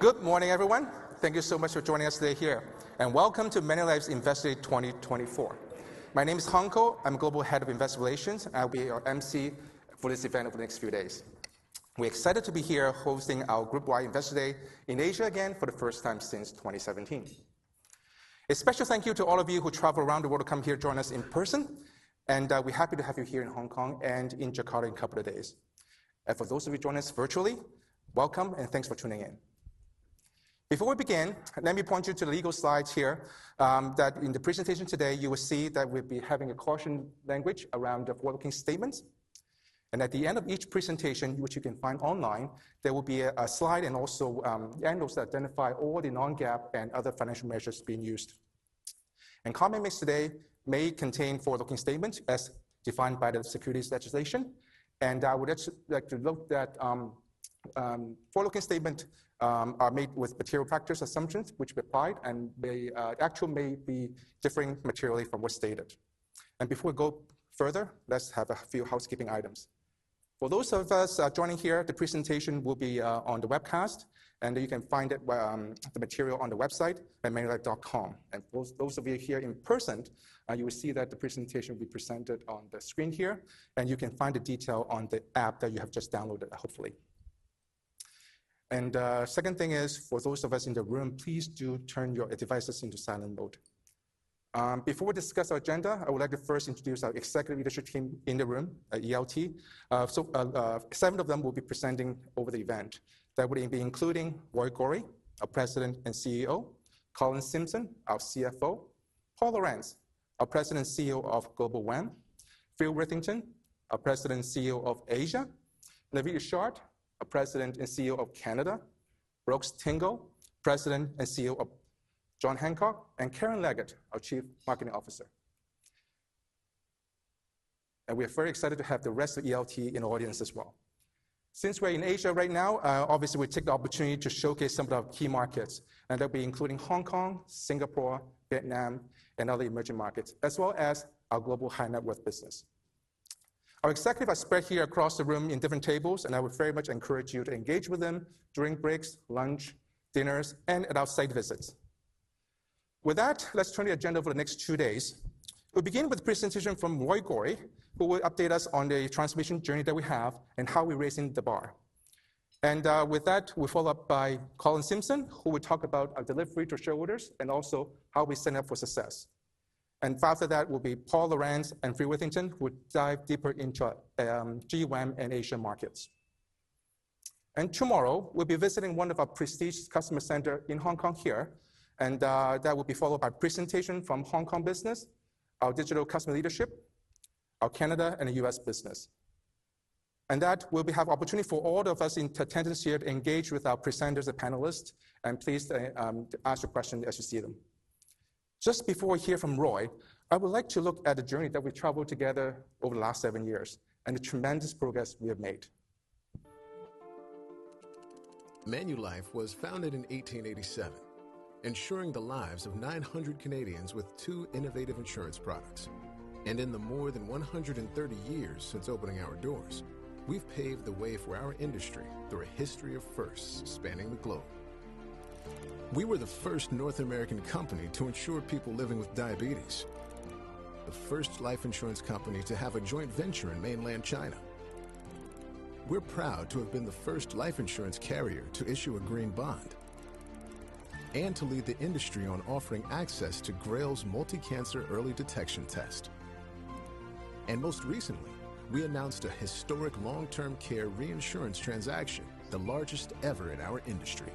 Good morning, everyone. Thank you so much for joining us today here, and welcome to Manulife's Investor Day 2024. My name is Hung Ko. I'm Global Head of Investor Relations, and I'll be your MC for this event over the next few days. We're excited to be here hosting our group-wide Investor Day in Asia again for the first time since 2017. A special thank you to all of you who traveled around the world to come here to join us in person, and we're happy to have you here in Hong Kong and in Jakarta in a couple of days. For those of you joining us virtually, welcome, and thanks for tuning in. Before we begin, let me point you to the legal slides here that in the presentation today, you will see that we'll be having a caution language around the forward-looking statements. And at the end of each presentation, which you can find online, there will be a slide and also addenda that identify all the Non-GAAP and other financial measures being used. Comments made today may contain forward-looking statements as defined by the securities legislation, and I would like to note that forward-looking statements are made with material factors assumptions, which we applied, and they actually may differ materially from what's stated. Before we go further, let's have a few housekeeping items. For those of us joining here, the presentation will be on the webcast, and you can find the material on the website at manulife.com. For those of you here in person, you will see that the presentation will be presented on the screen here, and you can find the detail on the app that you have just downloaded, hopefully. Second thing is, for those of us in the room, please do turn your devices into silent mode. Before we discuss our agenda, I would like to first introduce our executive leadership team in the room, our ELT. So, seven of them will be presenting over the event. That would be including Roy Gori, our President and CEO; Colin Simpson, our CFO; Paul Lorentz, our President and CEO of Global WAM; Phil Witherington, our President and CEO of Asia; Naveed Irshad, our President and CEO of Canada; Brooks Tingle, President and CEO of John Hancock; and Karen Leggett, our Chief Marketing Officer. We are very excited to have the rest of the ELT in the audience as well. Since we're in Asia right now, obviously, we take the opportunity to showcase some of our key markets, and they'll be including Hong Kong, Singapore, Vietnam, and other emerging markets, as well as our global high-net-worth business. Our executives are spread here across the room in different tables, and I would very much encourage you to engage with them during breaks, lunch, dinners, and at our site visits. With that, let's turn the agenda over the next two days. We'll begin with a presentation from Roy Gori, who will update us on the transformation journey that we have and how we're raising the bar. With that, we follow up by Colin Simpson, who will talk about our delivery to shareholders and also how we set up for success. After that will be Paul Lorentz and Phil Witherington, who will dive deeper into GWAM and Asian markets. Tomorrow, we'll be visiting one of our Prestige customer center in Hong Kong here, and that will be followed by presentation from Hong Kong business, our digital customer leadership, our Canada, and the U.S. business. And that we will have opportunity for all of us in attendance here to engage with our presenters and panelists, and please to ask your question as you see them. Just before we hear from Roy, I would like to look at the journey that we've traveled together over the last seven years and the tremendous progress we have made. Manulife was founded in 1887, ensuring the lives of 900 Canadians with 2 innovative insurance products. In the more than 130 years since opening our doors, we've paved the way for our industry through a history of firsts, spanning the globe. We were the first North American company to insure people living with diabetes, the first life insurance company to have a joint venture in Mainland China. We're proud to have been the first life insurance carrier to issue a green bond and to lead the industry on offering access to GRAIL's multi-cancer early detection test. Most recently, we announced a historic long-term care reinsurance transaction, the largest ever in our industry.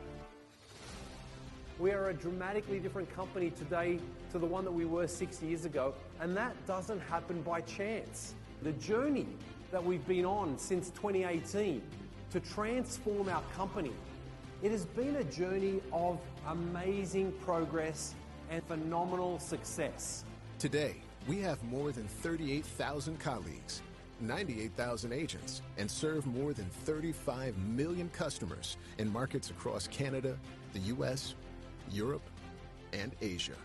We are a dramatically different company today to the one that we were six years ago, and that doesn't happen by chance. The journey that we've been on since 2018 to transform our company, it has been a journey of amazing progress and phenomenal success. Today, we have more than 38,000 colleagues, 98,000 agents, and serve more than 35 million customers in markets across Canada, the U.S., Europe, and Asia.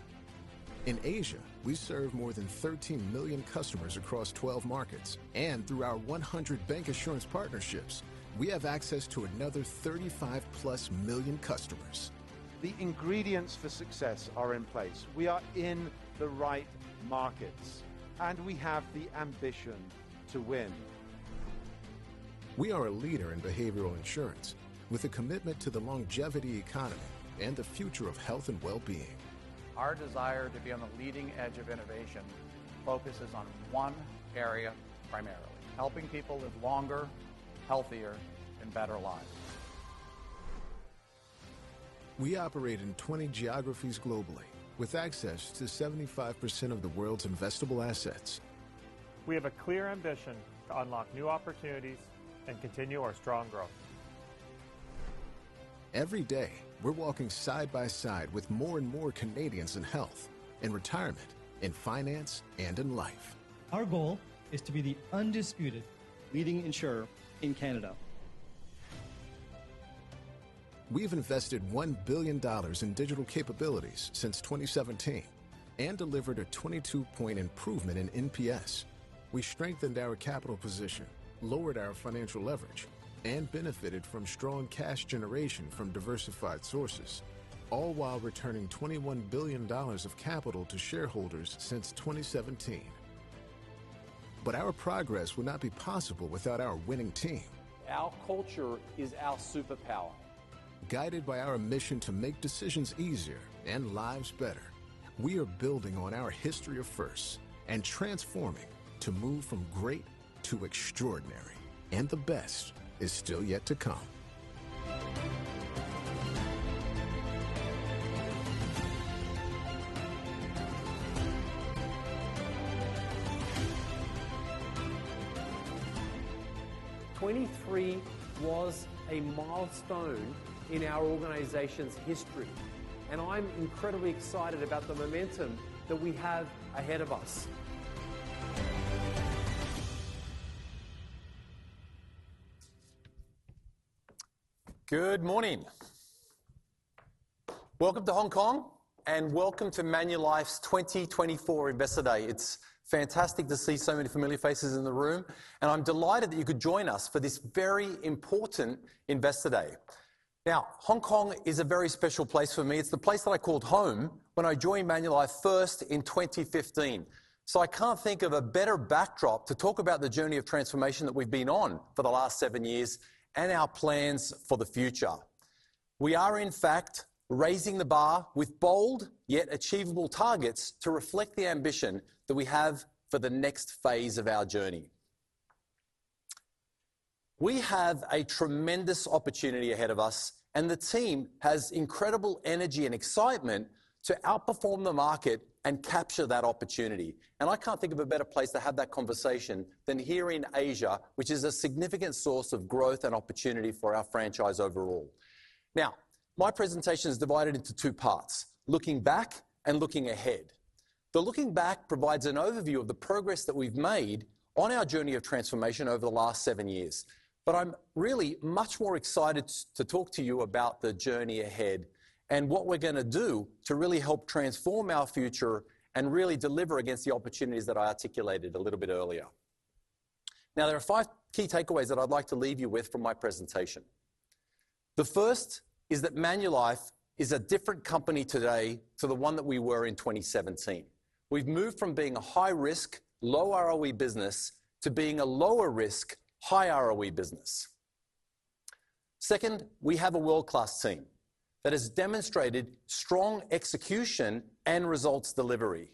In Asia, we serve more than 13 million customers across 12 markets, and through our 100 bancassurance partnerships, we have access to another 35+ million customers. The ingredients for success are in place. We are in the right markets, and we have the ambition to win. We are a leader in behavioral insurance, with a commitment to the longevity economy and the future of health and well-being. Our desire to be on the leading edge of innovation focuses on one area, primarily: helping people live longer, healthier, and better lives. We operate in 20 geographies globally, with access to 75% of the world's investable assets. We have a clear ambition to unlock new opportunities and continue our strong growth. Every day, we're walking side by side with more and more Canadians in health, in retirement, in finance, and in life. Our goal is to be the undisputed leading insurer in Canada. We've invested 1 billion dollars in digital capabilities since 2017 and delivered a 22-point improvement in NPS. We strengthened our capital position, lowered our financial leverage, and benefited from strong cash generation from diversified sources, all while returning 21 billion dollars of capital to shareholders since 2017. But our progress would not be possible without our winning team. Our culture is our superpower. Guided by our mission to make decisions easier and lives better, we are building on our history of firsts and transforming to move from great to extraordinary, and the best is still yet to come. 2023 was a milestone in our organization's history, and I'm incredibly excited about the momentum that we have ahead of us. Good morning! Welcome to Hong Kong, and welcome to Manulife's 2024 Investor Day. It's fantastic to see so many familiar faces in the room, and I'm delighted that you could join us for this very important Investor Day. Now, Hong Kong is a very special place for me. It's the place that I called home when I joined Manulife first in 2015. So I can't think of a better backdrop to talk about the journey of transformation that we've been on for the last seven years and our plans for the future. We are, in fact, raising the bar with bold yet achievable targets to reflect the ambition that we have for the next phase of our journey. We have a tremendous opportunity ahead of us, and the team has incredible energy and excitement to outperform the market and capture that opportunity. I can't think of a better place to have that conversation than here in Asia, which is a significant source of growth and opportunity for our franchise overall. Now, my presentation is divided into two parts: looking back and looking ahead. The looking back provides an overview of the progress that we've made on our journey of transformation over the last seven years. I'm really much more excited to talk to you about the journey ahead and what we're gonna do to really help transform our future and really deliver against the opportunities that I articulated a little bit earlier. Now, there are five key takeaways that I'd like to leave you with from my presentation. The first is that Manulife is a different company today to the one that we were in 2017. We've moved from being a high-risk, low ROE business to being a lower risk, high ROE business. Second, we have a world-class team that has demonstrated strong execution and results delivery.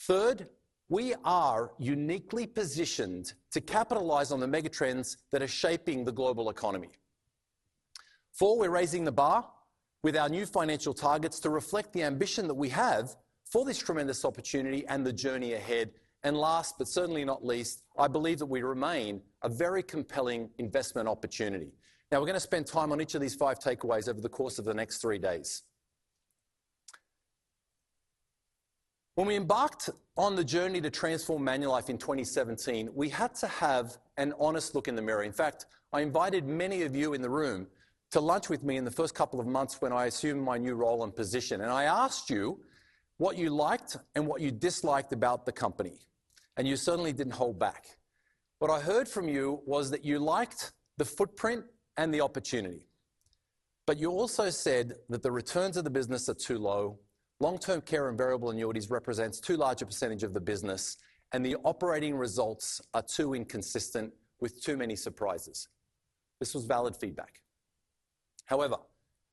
Third, we are uniquely positioned to capitalize on the mega trends that are shaping the global economy. Fourth, we're raising the bar with our new financial targets to reflect the ambition that we have for this tremendous opportunity and the journey ahead. And last, but certainly not least, I believe that we remain a very compelling investment opportunity. Now, we're gonna spend time on each of these 5 takeaways over the course of the next 3 days. When we embarked on the journey to transform Manulife in 2017, we had to have an honest look in the mirror. In fact, I invited many of you in the room to lunch with me in the first couple of months when I assumed my new role and position, and I asked you what you liked and what you disliked about the company, and you certainly didn't hold back. What I heard from you was that you liked the footprint and the opportunity, but you also said that the returns of the business are too low, Long-Term Care and Variable Annuities represents too large a percentage of the business, and the operating results are too inconsistent with too many surprises. This was valid feedback. However,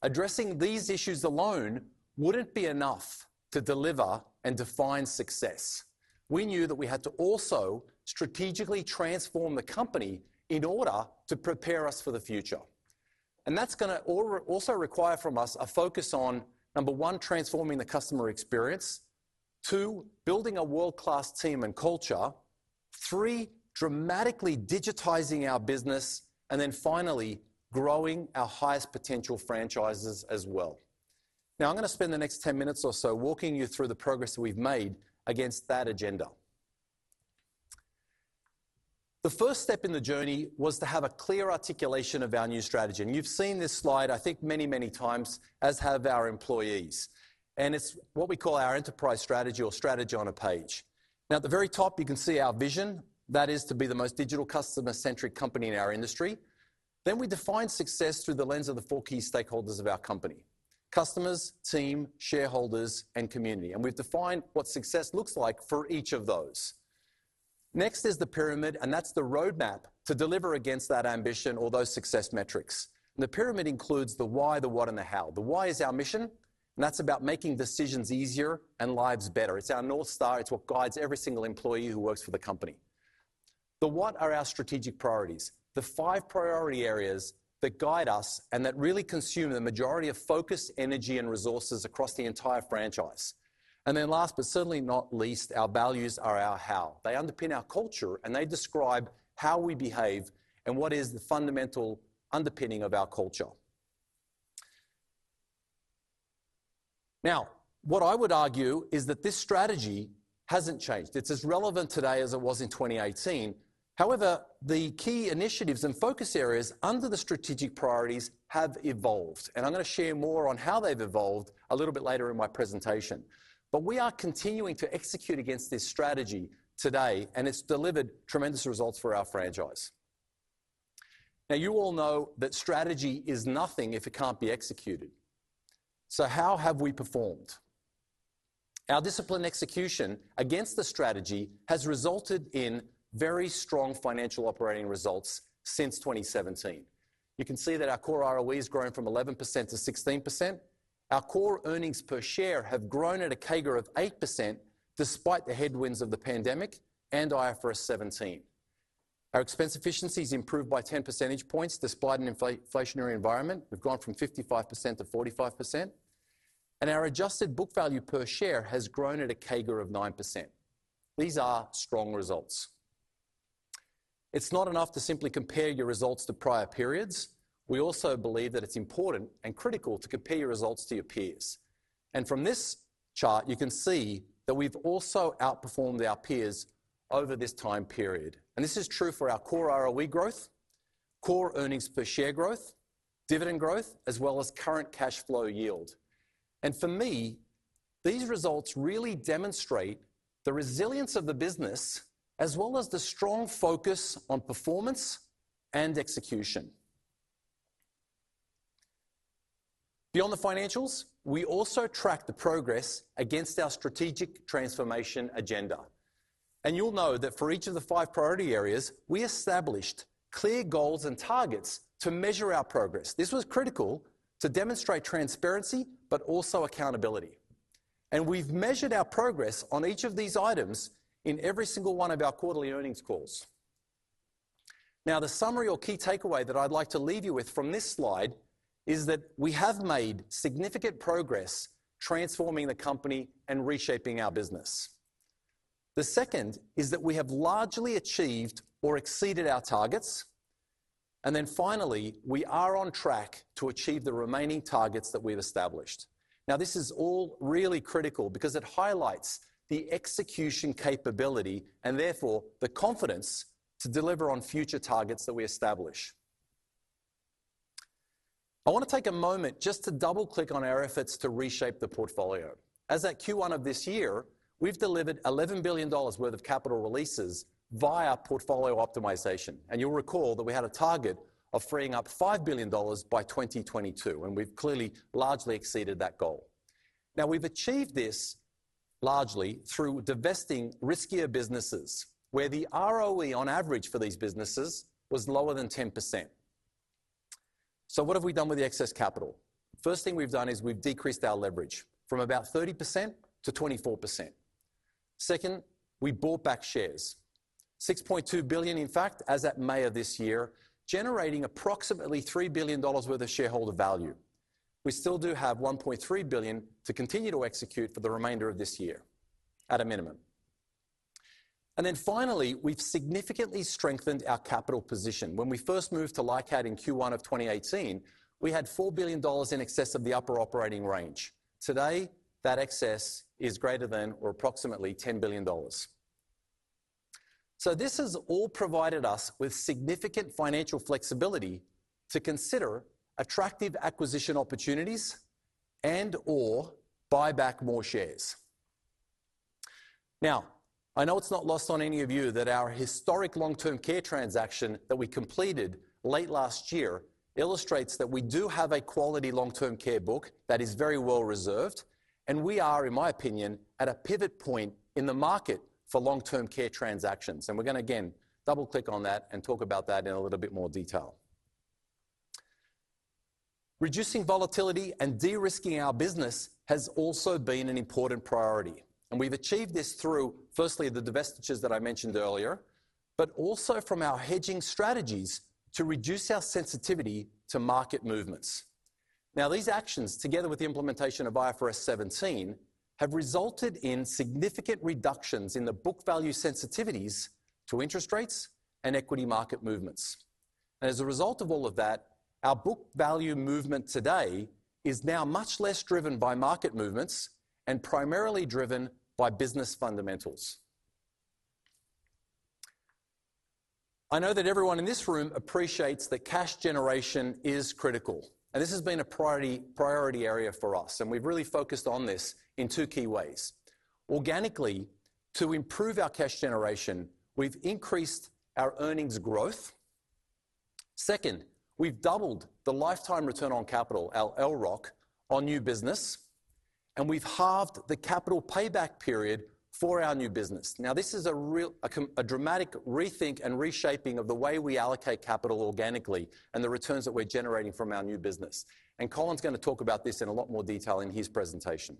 addressing these issues alone wouldn't be enough to deliver and define success. We knew that we had to also strategically transform the company in order to prepare us for the future, and that's gonna also require from us a focus on, number one, transforming the customer experience, two, building a world-class team and culture, three, dramatically digitizing our business, and then finally, growing our highest potential franchises as well. Now, I'm gonna spend the next 10 minutes or so walking you through the progress that we've made against that agenda. The first step in the journey was to have a clear articulation of our new strategy, and you've seen this slide, I think, many, many times, as have our employees, and it's what we call our enterprise strategy or strategy on a page. Now, at the very top, you can see our vision, that is to be the most digital customer-centric company in our industry. We define success through the lens of the four key stakeholders of our company: customers, team, shareholders, and community. We've defined what success looks like for each of those. Next is the pyramid, and that's the roadmap to deliver against that ambition or those success metrics. The pyramid includes the why, the what, and the how. The why is our mission, and that's about making decisions easier and lives better. It's our North Star. It's what guides every single employee who works for the company. The what are our strategic priorities, the five priority areas that guide us and that really consume the majority of focus, energy, and resources across the entire franchise. Then last, but certainly not least, our values are our how. They underpin our culture, and they describe how we behave and what is the fundamental underpinning of our culture. Now, what I would argue is that this strategy hasn't changed. It's as relevant today as it was in 2018. However, the key initiatives and focus areas under the strategic priorities have evolved, and I'm gonna share more on how they've evolved a little bit later in my presentation. We are continuing to execute against this strategy today, and it's delivered tremendous results for our franchise. Now, you all know that strategy is nothing if it can't be executed. How have we performed? Our disciplined execution against the strategy has resulted in very strong financial operating results since 2017. You can see that our core ROE has grown from 11% to 16%. Our core earnings per share have grown at a CAGR of 8% despite the headwinds of the pandemic and IFRS 17. Our expense efficiency's improved by 10 percentage points despite an inflationary environment. We've gone from 55% to 45%, and our adjusted book value per share has grown at a CAGR of 9%. These are strong results. It's not enough to simply compare your results to prior periods. We also believe that it's important and critical to compare your results to your peers, and from this chart, you can see that we've also outperformed our peers over this time period. This is true for our core ROE growth, core earnings per share growth, dividend growth, as well as current cash flow yield. For me, these results really demonstrate the resilience of the business, as well as the strong focus on performance and execution. Beyond the financials, we also track the progress against our strategic transformation agenda, and you'll know that for each of the five priority areas, we established clear goals and targets to measure our progress. This was critical to demonstrate transparency but also accountability. We've measured our progress on each of these items in every single one of our quarterly earnings calls. Now, the summary or key takeaway that I'd like to leave you with from this slide is that we have made significant progress transforming the company and reshaping our business. The second is that we have largely achieved or exceeded our targets, and then finally, we are on track to achieve the remaining targets that we've established. Now, this is all really critical because it highlights the execution capability and therefore the confidence to deliver on future targets that we establish. I want to take a moment just to double-click on our efforts to reshape the portfolio. As at Q1 of this year, we've delivered 11 billion dollars worth of capital releases via portfolio optimization, and you'll recall that we had a target of freeing up 5 billion dollars by 2022, and we've clearly largely exceeded that goal. Now, we've achieved this largely through divesting riskier businesses, where the ROE on average for these businesses was lower than 10%. So what have we done with the excess capital? First thing we've done is we've decreased our leverage from about 30% to 24%. Second, we bought back shares, 6.2 billion, in fact, as at May of this year, generating approximately 3 billion dollars worth of shareholder value. We still do have 1.3 billion to continue to execute for the remainder of this year at a minimum. Then finally, we've significantly strengthened our capital position. When we first moved to LICAT in Q1 of 2018, we had 4 billion dollars in excess of the upper operating range. Today, that excess is greater than or approximately 10 billion dollars. So this has all provided us with significant financial flexibility to consider attractive acquisition opportunities and/or buy back more shares. Now, I know it's not lost on any of you that our historic long-term care transaction that we completed late last year illustrates that we do have a quality long-term care book that is very well reserved, and we are, in my opinion, at a pivot point in the market for long-term care transactions. We're gonna again double-click on that and talk about that in a little bit more detail. Reducing volatility and de-risking our business has also been an important priority, and we've achieved this through, firstly, the divestitures that I mentioned earlier, but also from our hedging strategies to reduce our sensitivity to market movements. Now, these actions, together with the implementation of IFRS 17, have resulted in significant reductions in the book value sensitivities to interest rates and equity market movements. As a result of all of that, our book value movement today is now much less driven by market movements and primarily driven by business fundamentals. I know that everyone in this room appreciates that cash generation is critical, and this has been a priority, priority area for us, and we've really focused on this in two key ways. Organically, to improve our cash generation, we've increased our earnings growth. Second, we've doubled the lifetime return on capital, our LROC, on new business, and we've halved the capital payback period for our new business. Now, this is a dramatic rethink and reshaping of the way we allocate capital organically and the returns that we're generating from our new business, and Colin's gonna talk about this in a lot more detail in his presentation.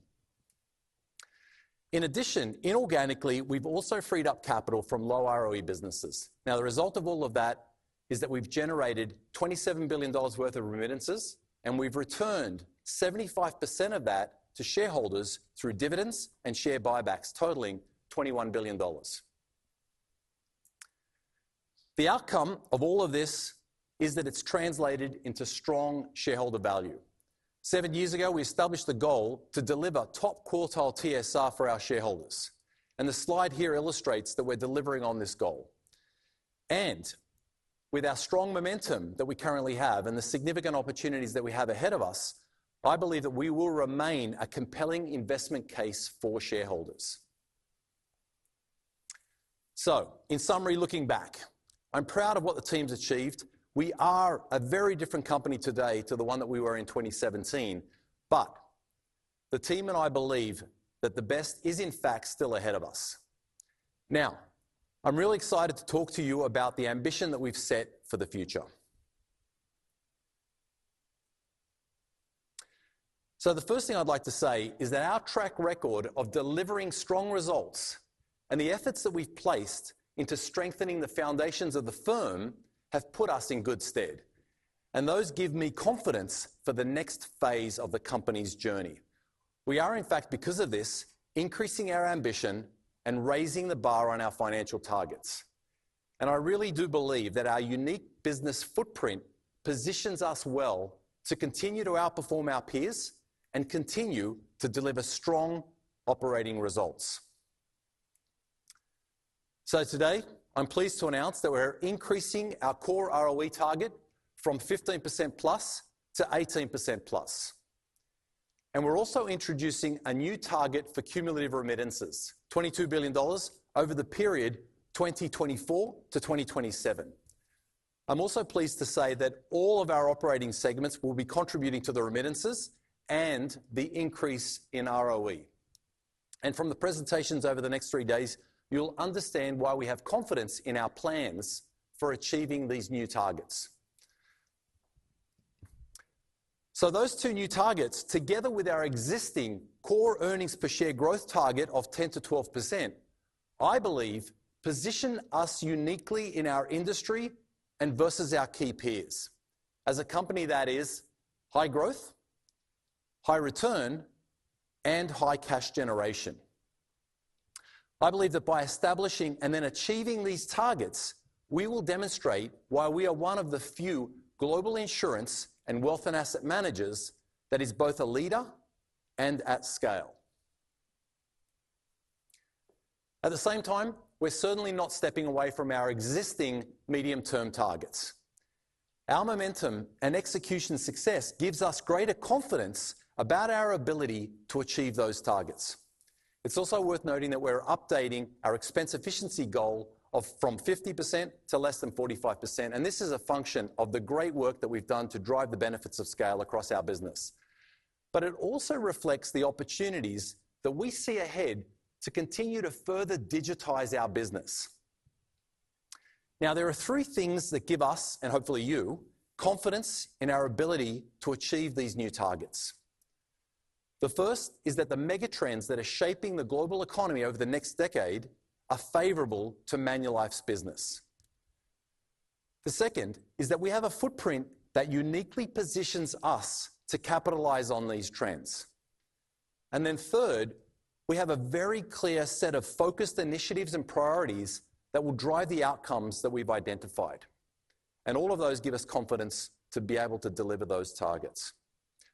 In addition, inorganically, we've also freed up capital from low ROE businesses. Now, the result of all of that is that we've generated 27 billion dollars worth of remittances, and we've returned 75% of that to shareholders through dividends and share buybacks, totaling 21 billion dollars. The outcome of all of this is that it's translated into strong shareholder value. Seven years ago, we established the goal to deliver top quartile TSR for our shareholders, and the slide here illustrates that we're delivering on this goal. With our strong momentum that we currently have and the significant opportunities that we have ahead of us, I believe that we will remain a compelling investment case for shareholders. In summary, looking back, I'm proud of what the team's achieved. We are a very different company today to the one that we were in 2017, but the team and I believe that the best is, in fact, still ahead of us. Now, I'm really excited to talk to you about the ambition that we've set for the future. The first thing I'd like to say is that our track record of delivering strong results and the efforts that we've placed into strengthening the foundations of the firm have put us in good stead, and those give me confidence for the next phase of the company's journey. We are, in fact, because of this, increasing our ambition and raising the bar on our financial targets. I really do believe that our unique business footprint positions us well to continue to outperform our peers and continue to deliver strong operating results. Today, I'm pleased to announce that we're increasing our Core ROE target from 15%+ to 18%+, and we're also introducing a new target for cumulative remittances, 22 billion dollars over the period 2024-2027. I'm also pleased to say that all of our operating segments will be contributing to the remittances and the increase in ROE. From the presentations over the next three days, you'll understand why we have confidence in our plans for achieving these new targets. Those two new targets, together with our existing core earnings per share growth target of 10%-12%, I believe, position us uniquely in our industry and versus our key peers. As a company that is high growth, high return, and high cash generation. I believe that by establishing and then achieving these targets, we will demonstrate why we are one of the few global insurance and wealth and asset managers that is both a leader and at scale. At the same time, we're certainly not stepping away from our existing medium-term targets. Our momentum and execution success gives us greater confidence about our ability to achieve those targets. It's also worth noting that we're updating our expense efficiency goal of from 50% to less than 45%, and this is a function of the great work that we've done to drive the benefits of scale across our business. But it also reflects the opportunities that we see ahead to continue to further digitize our business. Now, there are three things that give us, and hopefully you, confidence in our ability to achieve these new targets. The first is that the megatrends that are shaping the global economy over the next decade are favorable to Manulife's business. The second is that we have a footprint that uniquely positions us to capitalize on these trends. And then third, we have a very clear set of focused initiatives and priorities that will drive the outcomes that we've identified, and all of those give us confidence to be able to deliver those targets.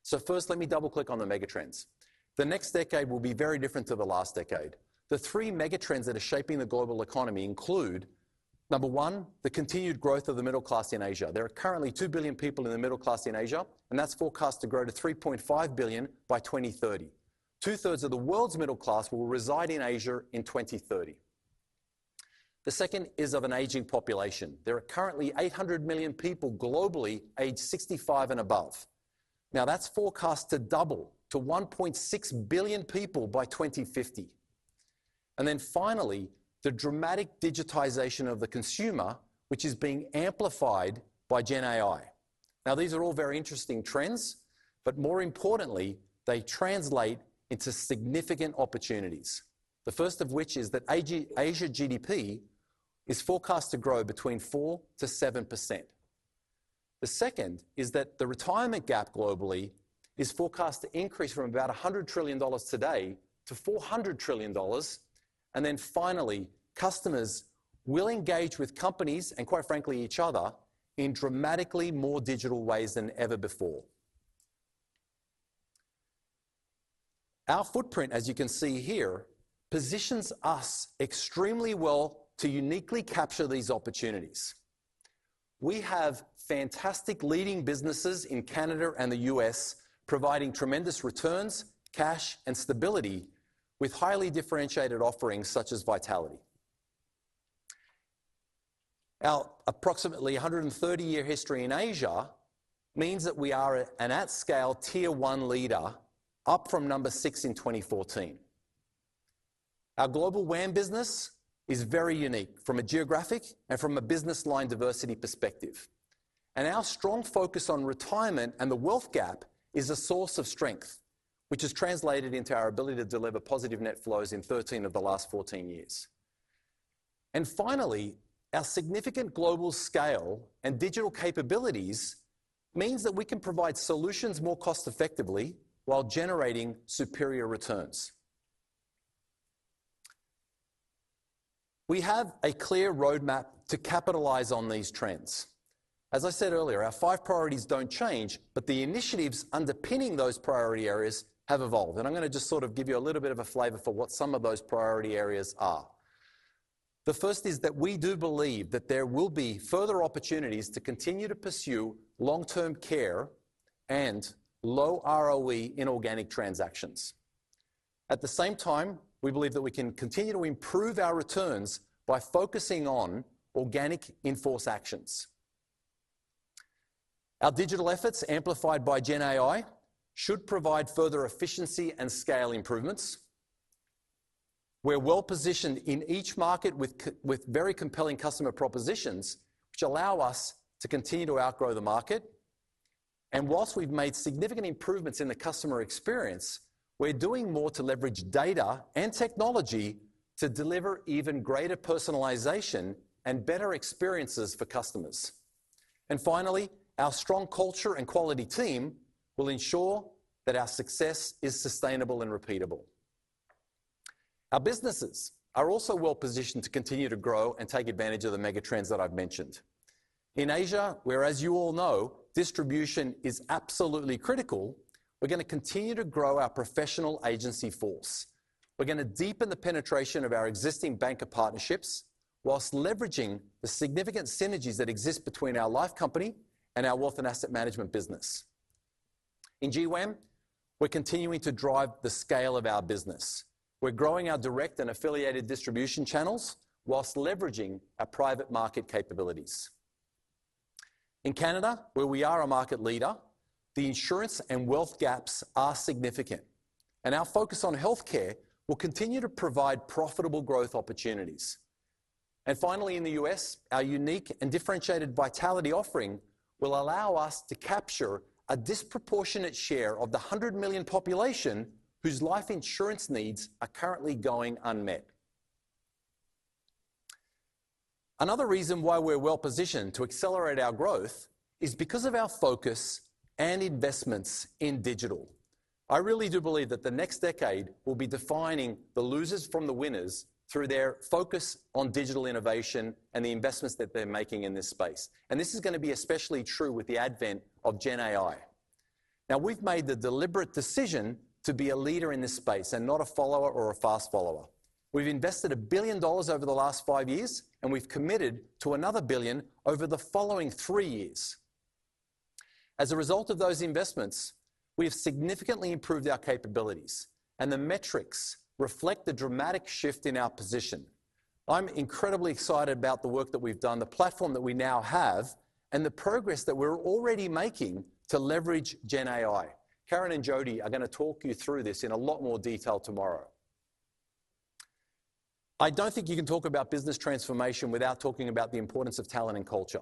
So first, let me double-click on the megatrends. The next decade will be very different to the last decade. The three megatrends that are shaping the global economy include, number one, the continued growth of the middle class in Asia. There are currently 2 billion people in the middle class in Asia, and that's forecast to grow to 3.5 billion by 2030. Two-thirds of the world's middle class will reside in Asia in 2030. The second is of an aging population. There are currently 800 million people globally aged 65 and above. Now, that's forecast to double to 1.6 billion people by 2050. Then finally, the dramatic digitization of the consumer, which is being amplified by GenAI. Now, these are all very interesting trends, but more importantly, they translate into significant opportunities. The first of which is that Asia GDP is forecast to grow between 4%-7%. The second is that the retirement gap globally is forecast to increase from about $100 trillion today to $400 trillion. And then finally, customers will engage with companies, and quite frankly, each other, in dramatically more digital ways than ever before. Our footprint, as you can see here, positions us extremely well to uniquely capture these opportunities. We have fantastic leading businesses in Canada and the U.S., providing tremendous returns, cash, and stability with highly differentiated offerings such as Vitality. Our approximately 130-year history in Asia means that we are at an at-scale tier one leader, up from number 6 in 2014. Our global WAM business is very unique from a geographic and from a business line diversity perspective, and our strong focus on retirement and the wealth gap is a source of strength, which has translated into our ability to deliver positive net flows in 13 of the last 14 years. And finally, our significant global scale and digital capabilities means that we can provide solutions more cost effectively while generating superior returns. We have a clear roadmap to capitalize on these trends. As I said earlier, our five priorities don't change, but the initiatives underpinning those priority areas have evolved, and I'm gonna just sort of give you a little bit of a flavor for what some of those priority areas are. The first is that we do believe that there will be further opportunities to continue to pursue long-term care and low ROE inorganic transactions. At the same time, we believe that we can continue to improve our returns by focusing on organic in-force actions. Our digital efforts, amplified by GenAI, should provide further efficiency and scale improvements. We're well-positioned in each market with very compelling customer propositions, which allow us to continue to outgrow the market. Whilst we've made significant improvements in the customer experience, we're doing more to leverage data and technology to deliver even greater personalization and better experiences for customers. Finally, our strong culture and quality team will ensure that our success is sustainable and repeatable. Our businesses are also well-positioned to continue to grow and take advantage of the mega trends that I've mentioned. In Asia, where, as you all know, distribution is absolutely critical, we're gonna continue to grow our professional agency force. We're gonna deepen the penetration of our existing banca partnerships whilst leveraging the significant synergies that exist between our life company and our wealth and asset management business. In GWAM, we're continuing to drive the scale of our business. We're growing our direct and affiliated distribution channels whilst leveraging our private market capabilities. In Canada, where we are a market leader, the insurance and wealth gaps are significant, and our focus on healthcare will continue to provide profitable growth opportunities. And finally, in the U.S., our unique and differentiated Vitality offering will allow us to capture a disproportionate share of the 100 million population whose life insurance needs are currently going unmet. Another reason why we're well-positioned to accelerate our growth is because of our focus and investments in digital. I really do believe that the next decade will be defining the losers from the winners through their focus on digital innovation and the investments that they're making in this space, and this is gonna be especially true with the advent of Gen AI. Now, we've made the deliberate decision to be a leader in this space and not a follower or a fast follower. We've invested $1 billion over the last 5 years, and we've committed to another $1 billion over the following 3 years. As a result of those investments, we have significantly improved our capabilities, and the metrics reflect the dramatic shift in our position. I'm incredibly excited about the work that we've done, the platform that we now have, and the progress that we're already making to leverage Gen AI. Karen and Jonny are gonna talk you through this in a lot more detail tomorrow. I don't think you can talk about business transformation without talking about the importance of talent and culture.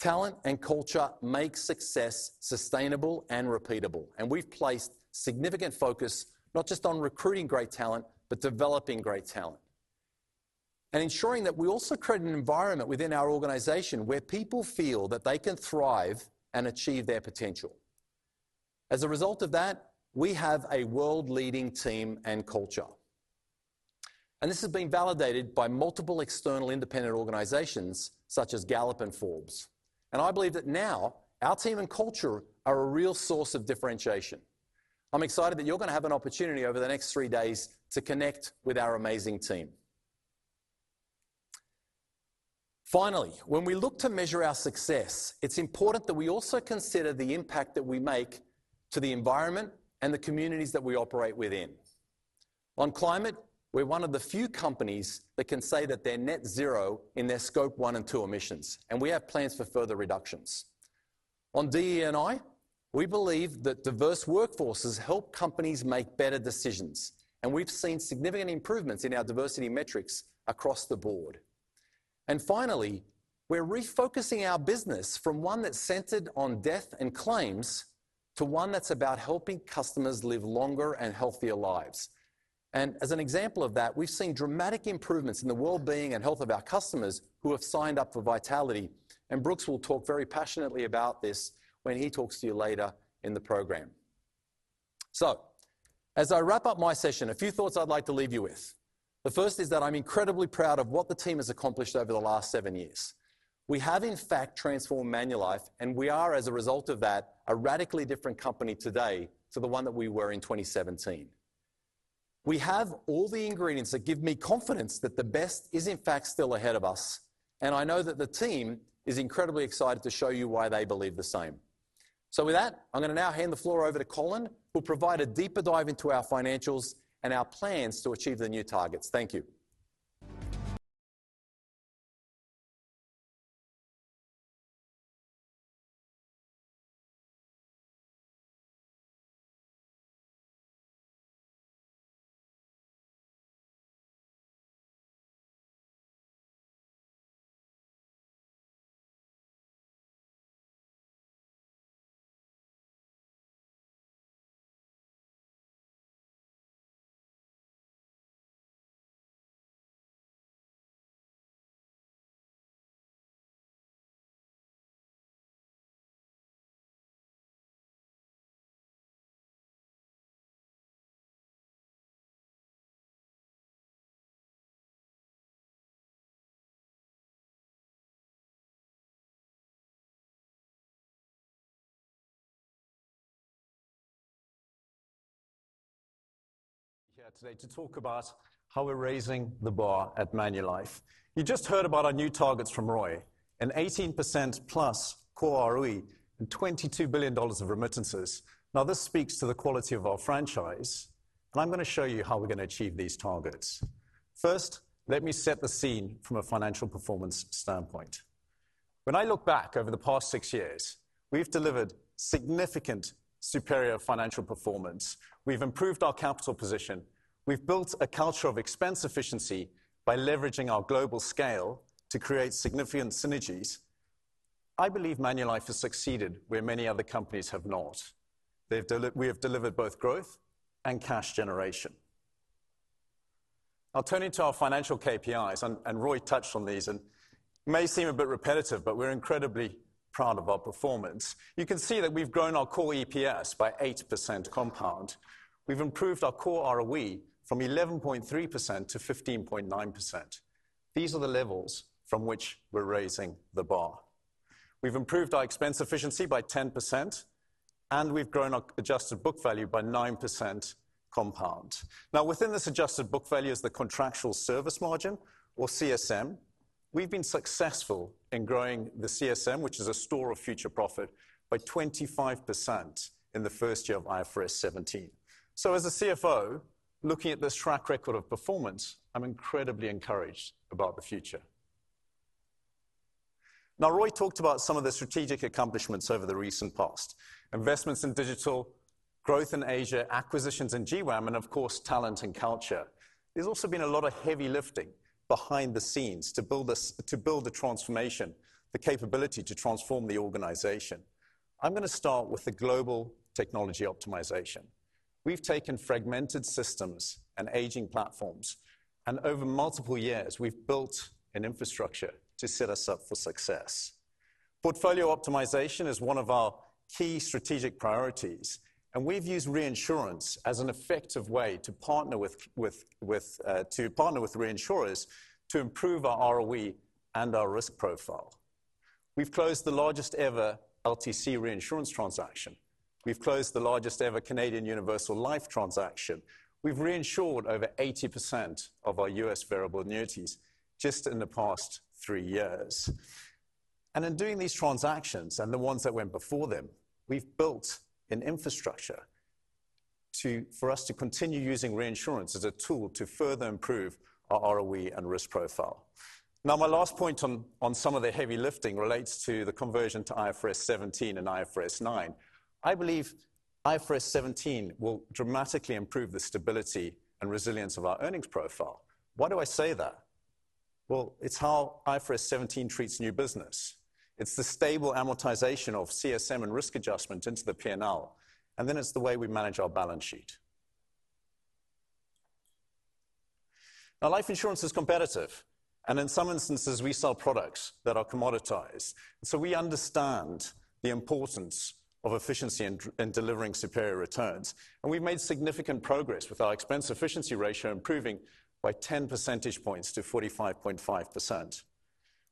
Talent and culture make success sustainable and repeatable, and we've placed significant focus not just on recruiting great talent, but developing great talent and ensuring that we also create an environment within our organization where people feel that they can thrive and achieve their potential. As a result of that, we have a world-leading team and culture, and this has been validated by multiple external independent organizations such as Gallup and Forbes. I believe that now our team and culture are a real source of differentiation. I'm excited that you're gonna have an opportunity over the next three days to connect with our amazing team. Finally, when we look to measure our success, it's important that we also consider the impact that we make to the environment and the communities that we operate within. On climate, we're one of the few companies that can say that they're net zero in their Scope 1 and 2 emissions, and we have plans for further reductions. On DE&I, we believe that diverse workforces help companies make better decisions, and we've seen significant improvements in our diversity metrics across the board. Finally, we're refocusing our business from one that's centered on death and claims to one that's about helping customers live longer and healthier lives. As an example of that, we've seen dramatic improvements in the well-being and health of our customers who have signed up for Vitality, and Brooks will talk very passionately about this when he talks to you later in the program. So, as I wrap up my session, a few thoughts I'd like to leave you with. The first is that I'm incredibly proud of what the team has accomplished over the last seven years. We have, in fact, transformed Manulife, and we are, as a result of that, a radically different company today to the one that we were in 2017. We have all the ingredients that give me confidence that the best is, in fact, still ahead of us, and I know that the team is incredibly excited to show you why they believe the same. So with that, I'm gonna now hand the floor over to Colin, who'll provide a deeper dive into our financials and our plans to achieve the new targets. Thank you. ... here today to talk about how we're raising the bar at Manulife. You just heard about our new targets from Roy, an 18%+ core ROE and 22 billion dollars of remittances. Now, this speaks to the quality of our franchise, and I'm gonna show you how we're gonna achieve these targets. First, let me set the scene from a financial performance standpoint. When I look back over the past six years, we've delivered significant superior financial performance. We've improved our capital position. We've built a culture of expense efficiency by leveraging our global scale to create significant synergies. I believe Manulife has succeeded where many other companies have not. We have delivered both growth and cash generation. I'll turn into our financial KPIs, and Roy touched on these, and it may seem a bit repetitive, but we're incredibly proud of our performance. You can see that we've grown our core EPS by 8% compound. We've improved our core ROE from 11.3% to 15.9%. These are the levels from which we're raising the bar. We've improved our expense efficiency by 10%, and we've grown our adjusted book value by 9% compound. Now, within this adjusted book value is the contractual service margin, or CSM. We've been successful in growing the CSM, which is a store of future profit, by 25% in the first year of IFRS 17. So as a CFO, looking at this track record of performance, I'm incredibly encouraged about the future. Now, Roy talked about some of the strategic accomplishments over the recent past: investments in digital, growth in Asia, acquisitions in GWAM, and of course, talent and culture. There's also been a lot of heavy lifting behind the scenes to build this, to build the transformation, the capability to transform the organization. I'm gonna start with the global technology optimization. We've taken fragmented systems and aging platforms, and over multiple years, we've built an infrastructure to set us up for success. Portfolio optimization is one of our key strategic priorities, and we've used reinsurance as an effective way to partner with reinsurers to improve our ROE and our risk profile. We've closed the largest ever LTC reinsurance transaction. We've closed the largest ever Canadian Universal Life transaction. We've reinsured over 80% of our U.S. variable annuities just in the past 3 years. In doing these transactions and the ones that went before them, we've built an infrastructure to, for us to continue using reinsurance as a tool to further improve our ROE and risk profile. Now, my last point on some of the heavy lifting relates to the conversion to IFRS 17 and IFRS 9. I believe IFRS 17 will dramatically improve the stability and resilience of our earnings profile. Why do I say that? Well, it's how IFRS 17 treats new business. It's the stable amortization of CSM and risk adjustment into the P&L, and then it's the way we manage our balance sheet. Now, life insurance is competitive, and in some instances, we sell products that are commoditized, so we understand the importance of efficiency in delivering superior returns. We've made significant progress with our expense efficiency ratio improving by 10 percentage points to 45.5%.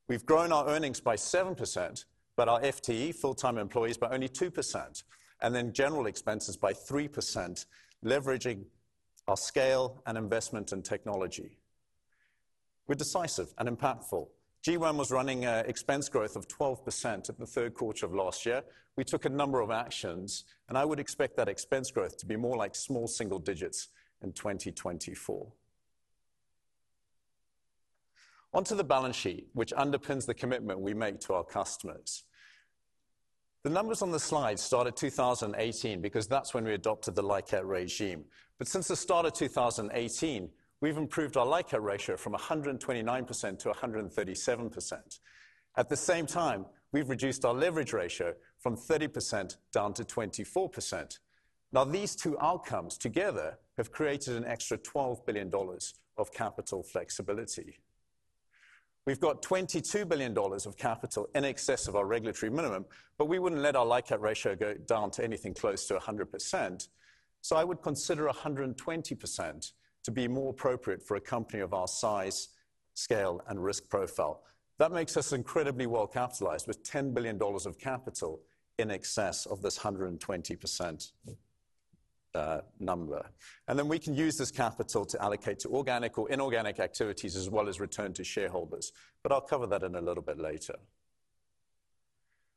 We've grown our earnings by 7%, but our FTE, full-time equivalents, by only 2%, and then general expenses by 3%, leveraging our scale and investment in technology. We're decisive and impactful. GWAM was running an expense growth of 12% at the third quarter of last year. We took a number of actions, and I would expect that expense growth to be more like small single digits in 2024. On to the balance sheet, which underpins the commitment we make to our customers. The numbers on the slide start at 2018 because that's when we adopted the LICAT regime. But since the start of 2018, we've improved our LICAT ratio from 129% to 137%. At the same time, we've reduced our leverage ratio from 30% down to 24%. Now, these two outcomes together have created an extra 12 billion dollars of capital flexibility. We've got 22 billion dollars of capital in excess of our regulatory minimum, but we wouldn't let our LICAT ratio go down to anything close to 100%. So I would consider 120% to be more appropriate for a company of our size, scale, and risk profile. That makes us incredibly well-capitalized with 10 billion dollars of capital in excess of this 120% number. And then we can use this capital to allocate to organic or inorganic activities, as well as return to shareholders, but I'll cover that in a little bit later.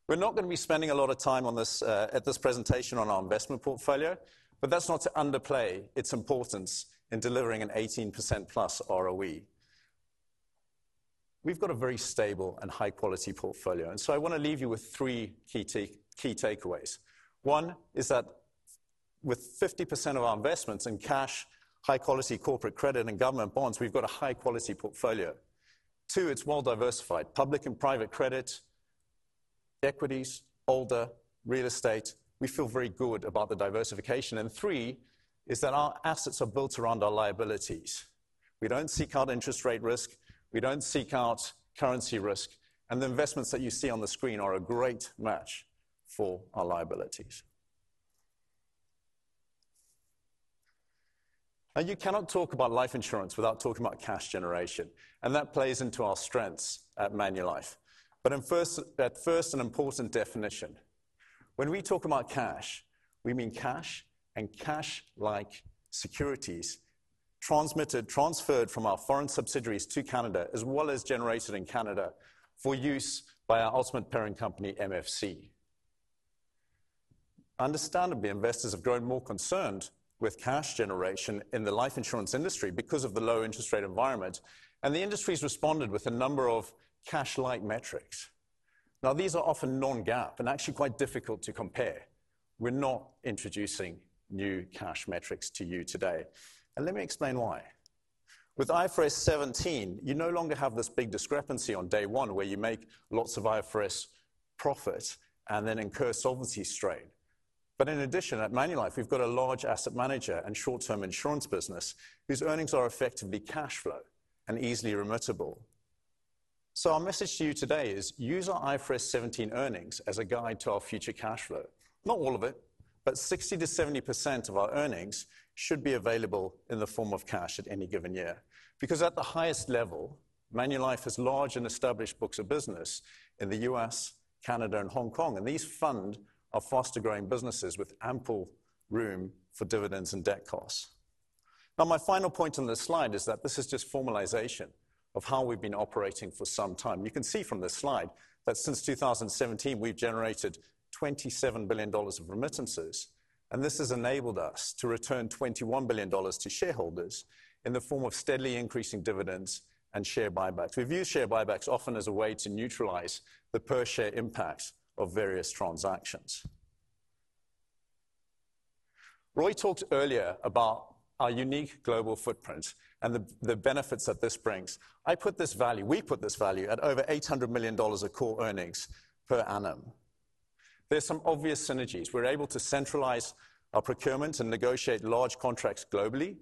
We're not gonna be spending a lot of time on this at this presentation on our investment portfolio, but that's not to underplay its importance in delivering an 18%+ ROE. We've got a very stable and high-quality portfolio, and so I wanna leave you with three key takeaways. One is that with 50% of our investments in cash, high-quality corporate credit, and government bonds, we've got a high-quality portfolio. Two, it's well-diversified. Public and private credit, equities, alternatives, real estate. We feel very good about the diversification. And three is that our assets are built around our liabilities. We don't seek out interest rate risk, we don't seek out currency risk, and the investments that you see on the screen are a great match for our liabilities. You cannot talk about life insurance without talking about cash generation, and that plays into our strengths at Manulife. First, an important definition. When we talk about cash, we mean cash and cash-like securities transmitted, transferred from our foreign subsidiaries to Canada, as well as generated in Canada for use by our ultimate parent company, MFC. Understandably, investors have grown more concerned with cash generation in the life insurance industry because of the low interest rate environment, and the industry's responded with a number of cash-like metrics. Now, these are often non-GAAP and actually quite difficult to compare. We're not introducing new cash metrics to you today, and let me explain why. With IFRS 17, you no longer have this big discrepancy on day one, where you make lots of IFRS profit and then incur solvency strain. But in addition, at Manulife, we've got a large asset manager and short-term insurance business, whose earnings are effectively cash flow and easily remittable. So our message to you today is: use our IFRS 17 earnings as a guide to our future cash flow. Not all of it, but 60%-70% of our earnings should be available in the form of cash at any given year. Because at the highest level, Manulife has large and established books of business in the U.S., Canada, and Hong Kong, and these fund our faster-growing businesses with ample room for dividends and debt costs. Now, my final point on this slide is that this is just formalization of how we've been operating for some time. You can see from this slide that since 2017, we've generated 27 billion dollars of remittances, and this has enabled us to return 21 billion dollars to shareholders in the form of steadily increasing dividends and share buybacks. We've used share buybacks often as a way to neutralize the per share impact of various transactions. Roy talked earlier about our unique global footprint and the benefits that this brings. We put this value at over 800 million dollars of core earnings per annum. There are some obvious synergies. We're able to centralize our procurement and negotiate large contracts globally.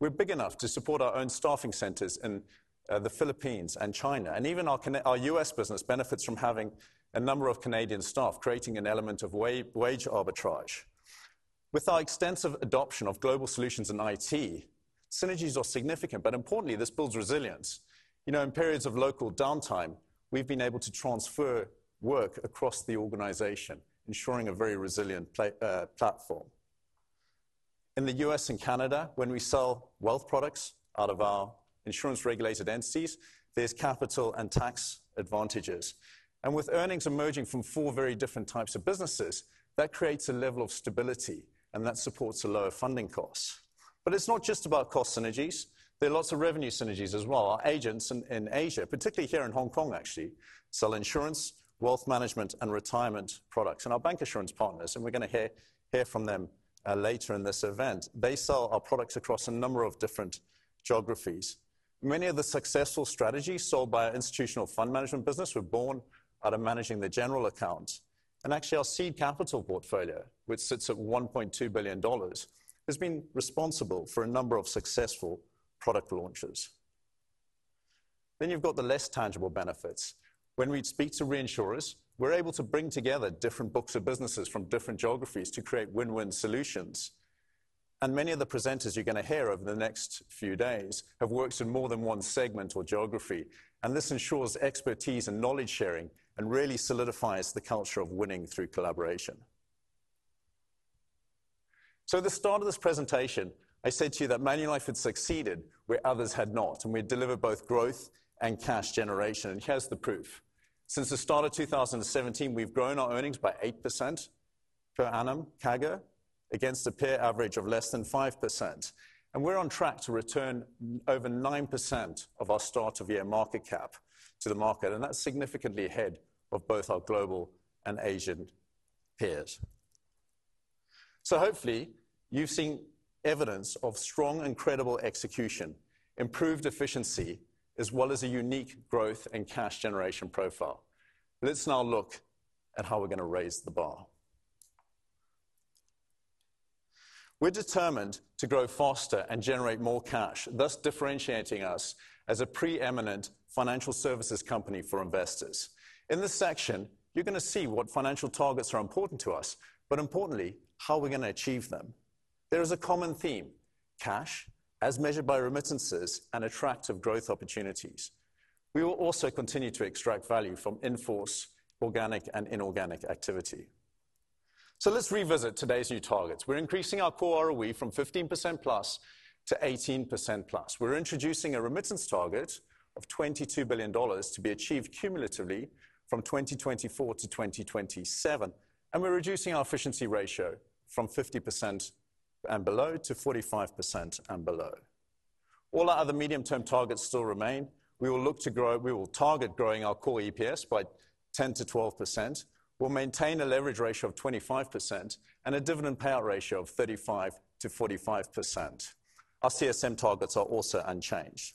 We're big enough to support our own staffing centers in the Philippines and China, and even our U.S. business benefits from having a number of Canadian staff, creating an element of wage arbitrage. With our extensive adoption of global solutions in IT, synergies are significant, but importantly, this builds resilience. You know, in periods of local downtime, we've been able to transfer work across the organization, ensuring a very resilient platform. In the U.S. and Canada, when we sell wealth products out of our insurance-regulated entities, there's capital and tax advantages. And with earnings emerging from four very different types of businesses, that creates a level of stability, and that supports a lower funding cost. But it's not just about cost synergies. There are lots of revenue synergies as well. Our agents in Asia, particularly here in Hong Kong, actually, sell insurance, wealth management, and retirement products. And our bank insurance partners, and we're gonna hear from them later in this event, they sell our products across a number of different geographies. Many of the successful strategies sold by our institutional fund management business were born out of managing the general accounts. And actually, our seed capital portfolio, which sits at $1.2 billion, has been responsible for a number of successful product launches. Then you've got the less tangible benefits. When we speak to reinsurers, we're able to bring together different books of businesses from different geographies to create win-win solutions. And many of the presenters you're gonna hear over the next few days have worked in more than one segment or geography, and this ensures expertise and knowledge sharing and really solidifies the culture of winning through collaboration. So at the start of this presentation, I said to you that Manulife had succeeded where others had not, and we'd delivered both growth and cash generation, and here's the proof. Since the start of 2017, we've grown our earnings by 8% per annum, CAGR, against a peer average of less than 5%, and we're on track to return over 9% of our start-of-year market cap to the market, and that's significantly ahead of both our global and Asian peers. So hopefully, you've seen evidence of strong and credible execution, improved efficiency, as well as a unique growth and cash generation profile. Let's now look at how we're gonna raise the bar. We're determined to grow faster and generate more cash, thus differentiating us as a preeminent financial services company for investors. In this section, you're gonna see what financial targets are important to us, but importantly, how we're gonna achieve them. There is a common theme, cash, as measured by remittances and attractive growth opportunities. We will also continue to extract value from in-force organic and inorganic activity. So let's revisit today's new targets. We're increasing our core ROE from 15%+ to 18%+. We're introducing a remittance target of $22 billion to be achieved cumulatively from 2024 to 2027, and we're reducing our efficiency ratio from 50% and below to 45% and below. All our other medium-term targets still remain. We will look to grow... We will target growing our core EPS by 10%-12%. We'll maintain a leverage ratio of 25% and a dividend payout ratio of 35%-45%. Our CSM targets are also unchanged....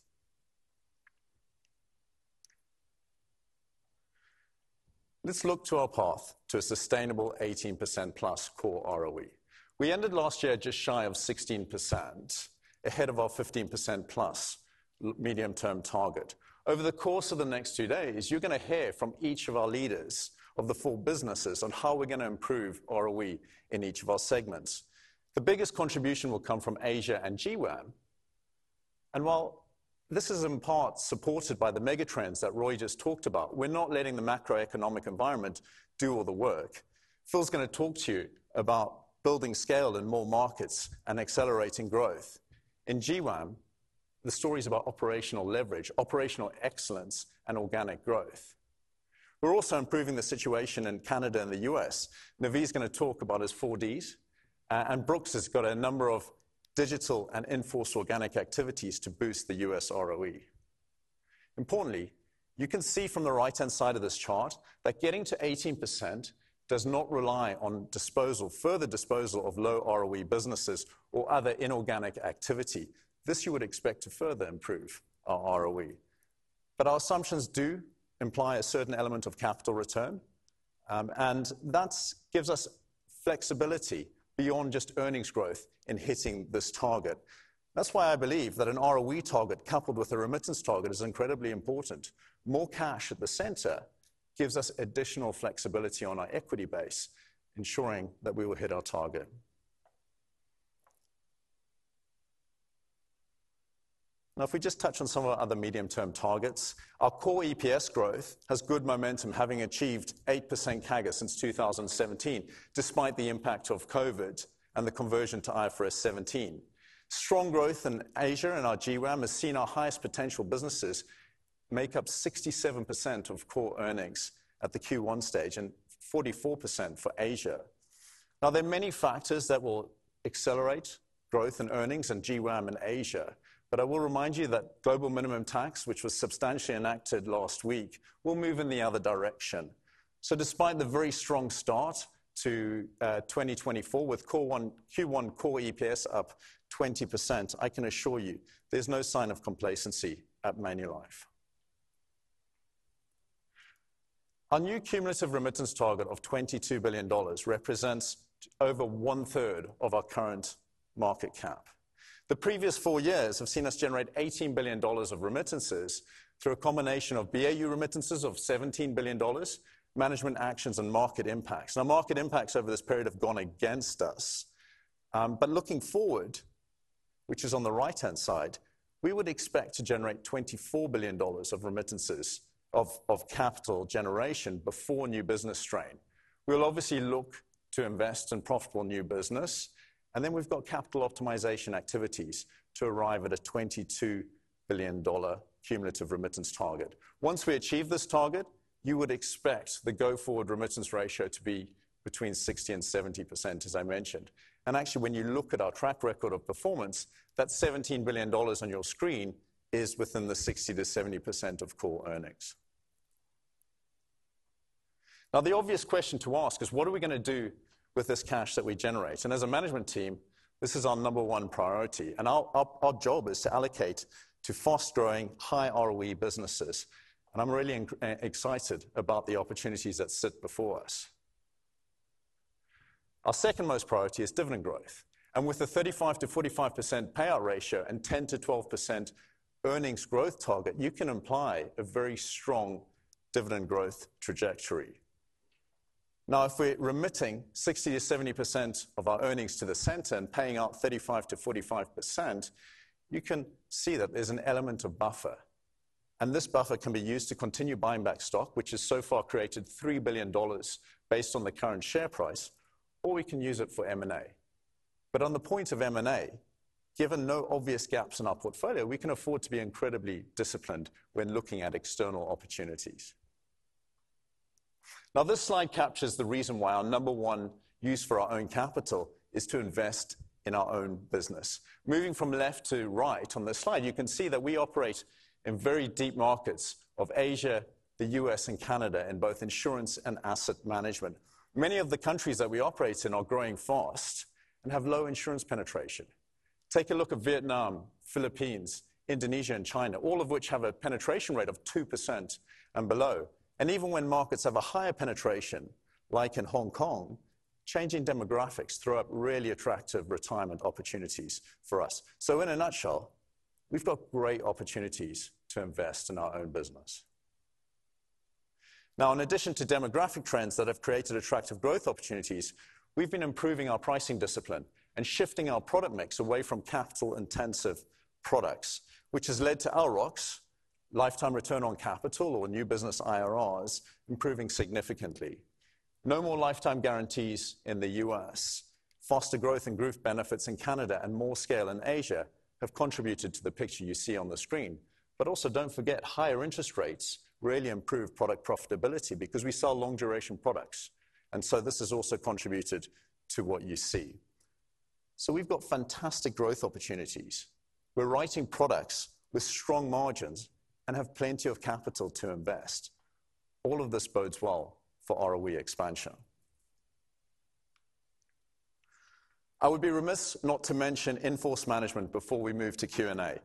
Let's look to our path to a sustainable 18%+ core ROE. We ended last year just shy of 16%, ahead of our 15%+ long-term target. Over the course of the next two days, you're gonna hear from each of our leaders of the four businesses on how we're gonna improve ROE in each of our segments. The biggest contribution will come from Asia and GWAM. And while this is in part supported by the mega trends that Roy just talked about, we're not letting the macroeconomic environment do all the work. Phil's gonna talk to you about building scale in more markets and accelerating growth. In GWAM, the story is about operational leverage, operational excellence, and organic growth. We're also improving the situation in Canada and the US. Naveed's gonna talk about his four Ds, and Brooks has got a number of digital and in-force organic activities to boost the US ROE. Importantly, you can see from the right-hand side of this chart that getting to 18% does not rely on disposal, further disposal of low ROE businesses or other inorganic activity. This you would expect to further improve our ROE. But our assumptions do imply a certain element of capital return, and that gives us flexibility beyond just earnings growth in hitting this target. That's why I believe that an ROE target, coupled with a remittance target, is incredibly important. More cash at the center gives us additional flexibility on our equity base, ensuring that we will hit our target. Now, if we just touch on some of our other medium-term targets, our core EPS growth has good momentum, having achieved 8% CAGR since 2017, despite the impact of COVID and the conversion to IFRS 17. Strong growth in Asia and our GWAM has seen our highest potential businesses make up 67% of core earnings at the Q1 stage and 44% for Asia. Now, there are many factors that will accelerate growth in earnings in GWAM and Asia, but I will remind you that Global Minimum Tax, which was substantially enacted last week, will move in the other direction. So despite the very strong start to 2024, with Q1 core EPS up 20%, I can assure you, there's no sign of complacency at Manulife. Our new cumulative remittance target of 22 billion dollars represents over one-third of our current market cap. The previous four years have seen us generate 18 billion dollars of remittances through a combination of BAU remittances of 17 billion dollars, management actions, and market impacts. Now, market impacts over this period have gone against us, but looking forward, which is on the right-hand side, we would expect to generate $24 billion of remittances of capital generation before new business strain. We'll obviously look to invest in profitable new business, and then we've got capital optimization activities to arrive at a $22 billion cumulative remittance target. Once we achieve this target, you would expect the go-forward remittance ratio to be between 60%-70%, as I mentioned. Actually, when you look at our track record of performance, that $17 billion on your screen is within the 60%-70% of core earnings. Now, the obvious question to ask is: what are we gonna do with this cash that we generate? As a management team, this is our number one priority, and our job is to allocate to fast-growing, high-ROE businesses, and I'm really excited about the opportunities that sit before us. Our second most priority is dividend growth, and with a 35%-45% payout ratio and 10%-12% earnings growth target, you can imply a very strong dividend growth trajectory. Now, if we're remitting 60%-70% of our earnings to the center and paying out 35%-45%, you can see that there's an element of buffer, and this buffer can be used to continue buying back stock, which has so far created 3 billion dollars based on the current share price, or we can use it for M&A. But on the point of M&A, given no obvious gaps in our portfolio, we can afford to be incredibly disciplined when looking at external opportunities. Now, this slide captures the reason why our number one use for our own capital is to invest in our own business. Moving from left to right on this slide, you can see that we operate in very deep markets of Asia, the US, and Canada, in both insurance and asset management. Many of the countries that we operate in are growing fast and have low insurance penetration. Take a look at Vietnam, Philippines, Indonesia, and China, all of which have a penetration rate of 2% and below. And even when markets have a higher penetration, like in Hong Kong, changing demographics throw up really attractive retirement opportunities for us. So in a nutshell, we've got great opportunities to invest in our own business. Now, in addition to demographic trends that have created attractive growth opportunities, we've been improving our pricing discipline and shifting our product mix away from capital-intensive products, which has led to ROCs, lifetime return on capital or new business IRRs, improving significantly. No more lifetime guarantees in the U.S., faster growth and group benefits in Canada, and more scale in Asia have contributed to the picture you see on the screen. But also, don't forget, higher interest rates really improve product profitability because we sell long-duration products, and so this has also contributed to what you see. So we've got fantastic growth opportunities. We're writing products with strong margins and have plenty of capital to invest. All of this bodes well for ROE expansion.... I would be remiss not to mention in-force management before we move to Q&A.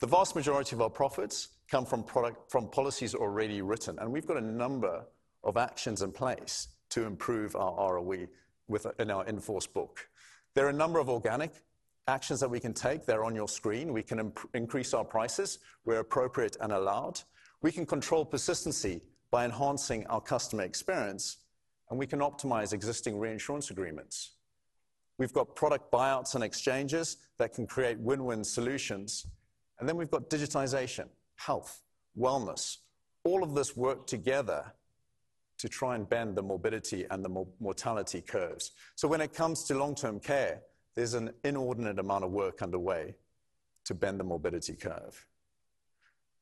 The vast majority of our profits come from product, from policies already written, and we've got a number of actions in place to improve our ROE with, in our in-force book. There are a number of organic actions that we can take. They're on your screen. We can increase our prices where appropriate and allowed. We can control persistency by enhancing our customer experience, and we can optimize existing reinsurance agreements. We've got product buyouts and exchanges that can create win-win solutions, and then we've got digitization, health, wellness. All of this work together to try and bend the morbidity and the mortality curves. So when it comes to long-term care, there's an inordinate amount of work underway to bend the morbidity curve.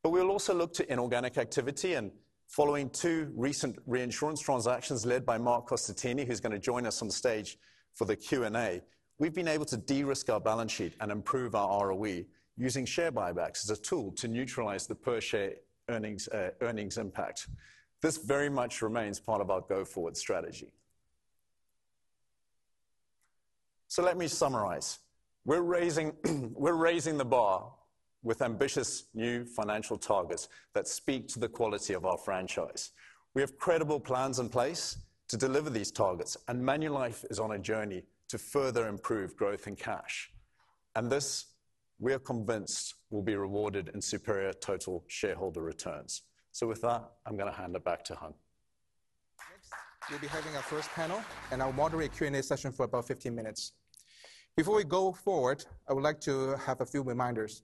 But we'll also look to inorganic activity, and following two recent reinsurance transactions led by Marc Costantini, who's gonna join us on stage for the Q&A, we've been able to de-risk our balance sheet and improve our ROE using share buybacks as a tool to neutralize the per share earnings impact. This very much remains part of our go-forward strategy. So let me summarize: We're raising, we're raising the bar with ambitious new financial targets that speak to the quality of our franchise. We have credible plans in place to deliver these targets, and Manulife is on a journey to further improve growth and cash, and this, we are convinced, will be rewarded in superior total shareholder returns. So with that, I'm gonna hand it back to Hung. Next, we'll be having our first panel, and I'll moderate a Q&A session for about 15 minutes. Before we go forward, I would like to have a few reminders.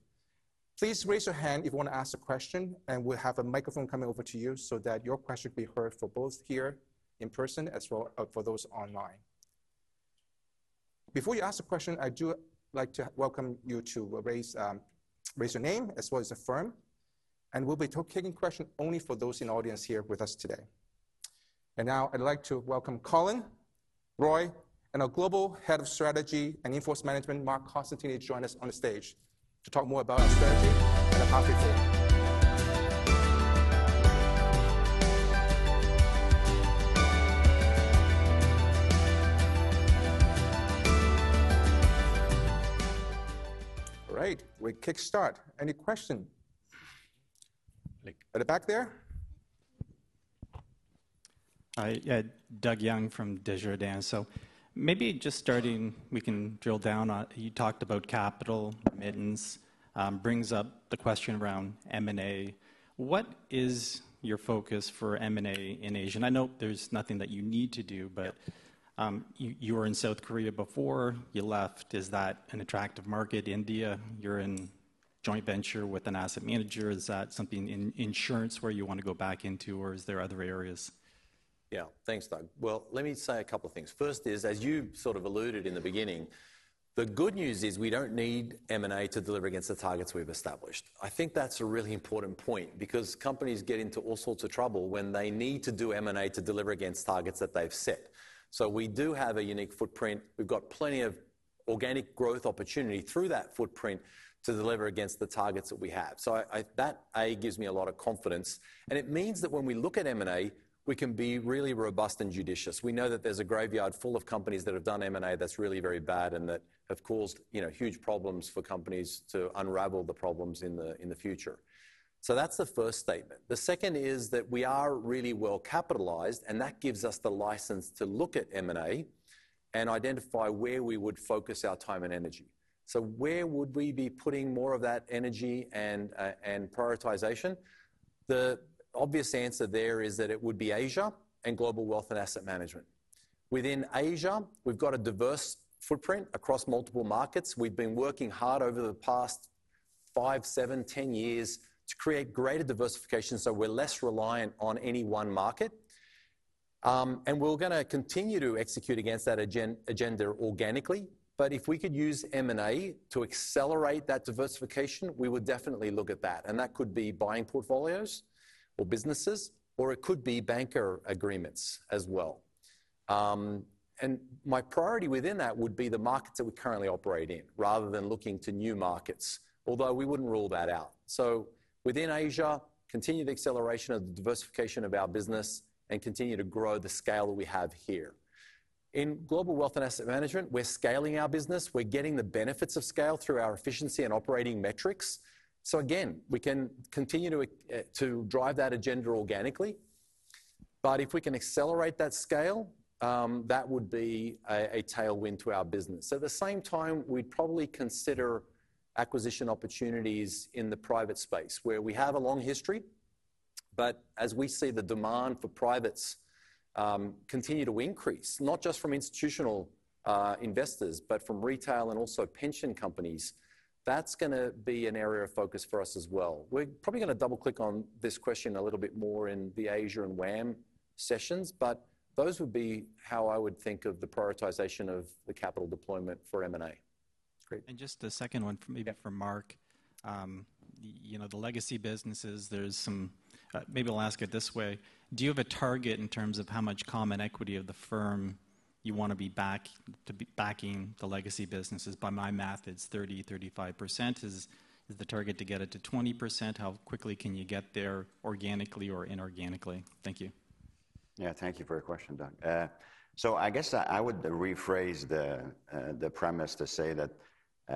Please raise your hand if you want to ask a question, and we'll have a microphone coming over to you so that your question will be heard for both here in person as well as for those online. Before you ask a question, I do like to welcome you to raise your name as well as the firm, and we'll be taking question only for those in audience here with us today. And now I'd like to welcome Colin, Roy, and our Global Head of Strategy and In-Force Management, Marc Costantini, to join us on the stage to talk more about our strategy and the path forward. All right, we kick start. Any question? At the back there. Hi, yeah, Doug Young from Desjardins. So maybe just starting, we can drill down on... You talked about capital remittances, brings up the question around M&A. What is your focus for M&A in Asia? And I know there's nothing that you need to do, but you were in South Korea before you left. Is that an attractive market? India, you're in joint venture with an asset manager. Is that something in insurance where you want to go back into, or is there other areas? Yeah. Thanks, Doug. Well, let me say a couple of things. First is, as you sort of alluded in the beginning, the good news is we don't need M&A to deliver against the targets we've established. I think that's a really important point because companies get into all sorts of trouble when they need to do M&A to deliver against targets that they've set. So we do have a unique footprint. We've got plenty of organic growth opportunity through that footprint to deliver against the targets that we have. So I, that A, gives me a lot of confidence, and it means that when we look at M&A, we can be really robust and judicious. We know that there's a graveyard full of companies that have done M&A that's really very bad and that have caused, you know, huge problems for companies to unravel the problems in the, in the future. So that's the first statement. The second is that we are really well capitalized, and that gives us the license to look at M&A and identify where we would focus our time and energy. So where would we be putting more of that energy and, and prioritization? The obvious answer there is that it would be Asia and Global Wealth and Asset Management. Within Asia, we've got a diverse footprint across multiple markets. We've been working hard over the past 5, 7, 10 years to create greater diversification, so we're less reliant on any one market. And we're gonna continue to execute against that agenda organically, but if we could use M&A to accelerate that diversification, we would definitely look at that, and that could be buying portfolios or businesses, or it could be bancassurance agreements as well. And my priority within that would be the markets that we currently operate in, rather than looking to new markets, although we wouldn't rule that out. So within Asia, continue the acceleration of the diversification of our business and continue to grow the scale that we have here. In Global Wealth and Asset Management, we're scaling our business. We're getting the benefits of scale through our efficiency and operating metrics. So again, we can continue to drive that agenda organically, but if we can accelerate that scale, that would be a tailwind to our business. At the same time, we'd probably consider acquisition opportunities in the private space, where we have a long history, but as we see the demand for privates, continue to increase, not just from institutional, investors, but from retail and also pension companies, that's gonna be an area of focus for us as well. We're probably gonna double-click on this question a little bit more in the Asia and WAM sessions, but those would be how I would think of the prioritization of the capital deployment for M&A. That's great. And just the second one from- Yeah. Maybe for Marc. You know, the legacy businesses, there's some. Maybe I'll ask it this way: Do you have a target in terms of how much common equity of the firm you want to be back, to be backing the legacy businesses? By my math, it's 30%-35%. Is the target to get it to 20%? How quickly can you get there, organically or inorganically? Thank you.... Yeah, thank you for your question, Doug. So I guess I would rephrase the premise to say that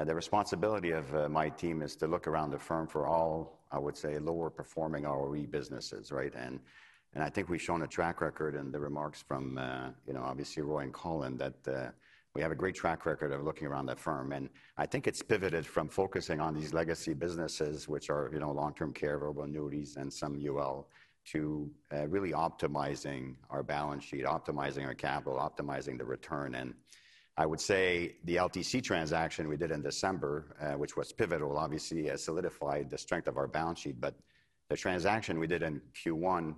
the responsibility of my team is to look around the firm for all, I would say, lower performing ROE businesses, right? And I think we've shown a track record in the remarks from, you know, obviously Roy and Colin, that we have a great track record of looking around the firm. And I think it's pivoted from focusing on these legacy businesses, which are, you know, long-term care, variable annuities, and some UL, to really optimizing our balance sheet, optimizing our capital, optimizing the return. And I would say the LTC transaction we did in December, which was pivotal, obviously, has solidified the strength of our balance sheet. But the transaction we did in Q1,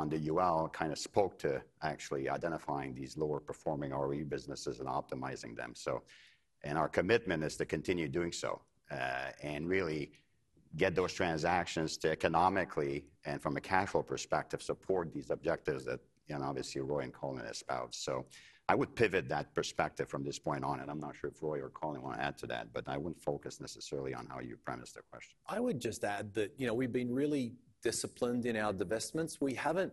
on the UL kind of spoke to actually identifying these lower performing ROE businesses and optimizing them. So, and our commitment is to continue doing so, and really get those transactions to economically, and from a cash flow perspective, support these objectives that, you know, obviously Roy and Colin espouse. So I would pivot that perspective from this point on, and I'm not sure if Roy or Colin want to add to that, but I wouldn't focus necessarily on how you premised the question. I would just add that, you know, we've been really disciplined in our divestments. We haven't,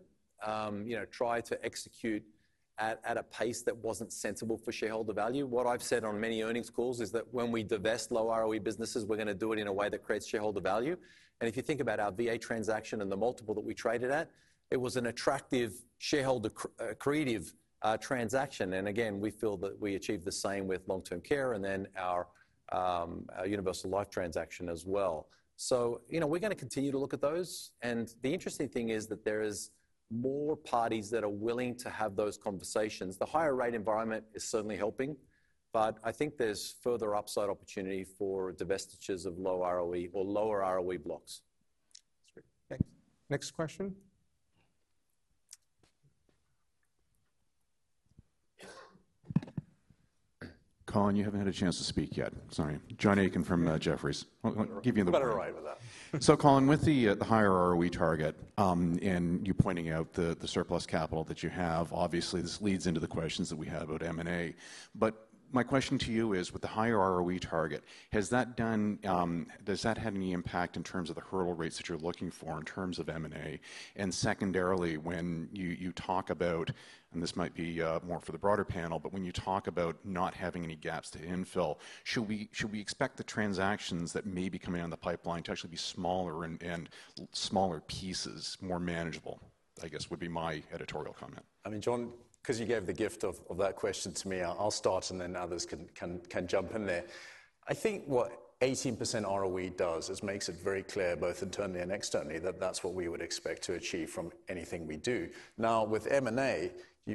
you know, tried to execute at a pace that wasn't sensible for shareholder value. What I've said on many earnings calls is that when we divest low ROE businesses, we're going to do it in a way that creates shareholder value. And if you think about our VA transaction and the multiple that we traded at, it was an attractive shareholder accretive transaction. And again, we feel that we achieved the same with long-term care and then our universal life transaction as well. So, you know, we're going to continue to look at those. And the interesting thing is that there is more parties that are willing to have those conversations. The higher rate environment is certainly helping, but I think there's further upside opportunity for divestitures of low ROE or lower ROE blocks. That's great. Thanks. Next question? Colin, you haven't had a chance to speak yet, sorry. John Aiken from, Jefferies. I'll give you the- You're better all right with that. So, Colin, with the higher ROE target, and you pointing out the surplus capital that you have, obviously, this leads into the questions that we have about M&A. But my question to you is, with the higher ROE target, has that done... does that have any impact in terms of the hurdle rates that you're looking for in terms of M&A? And secondarily, when you talk about, and this might be more for the broader panel, but when you talk about not having any gaps to infill, should we expect the transactions that may be coming down the pipeline to actually be smaller and smaller pieces, more manageable, I guess, would be my editorial comment. I mean, John, 'cause you gave the gift of that question to me, I'll start, and then others can jump in there. I think what 18% ROE does is makes it very clear, both internally and externally, that that's what we would expect to achieve from anything we do. Now, with M&A,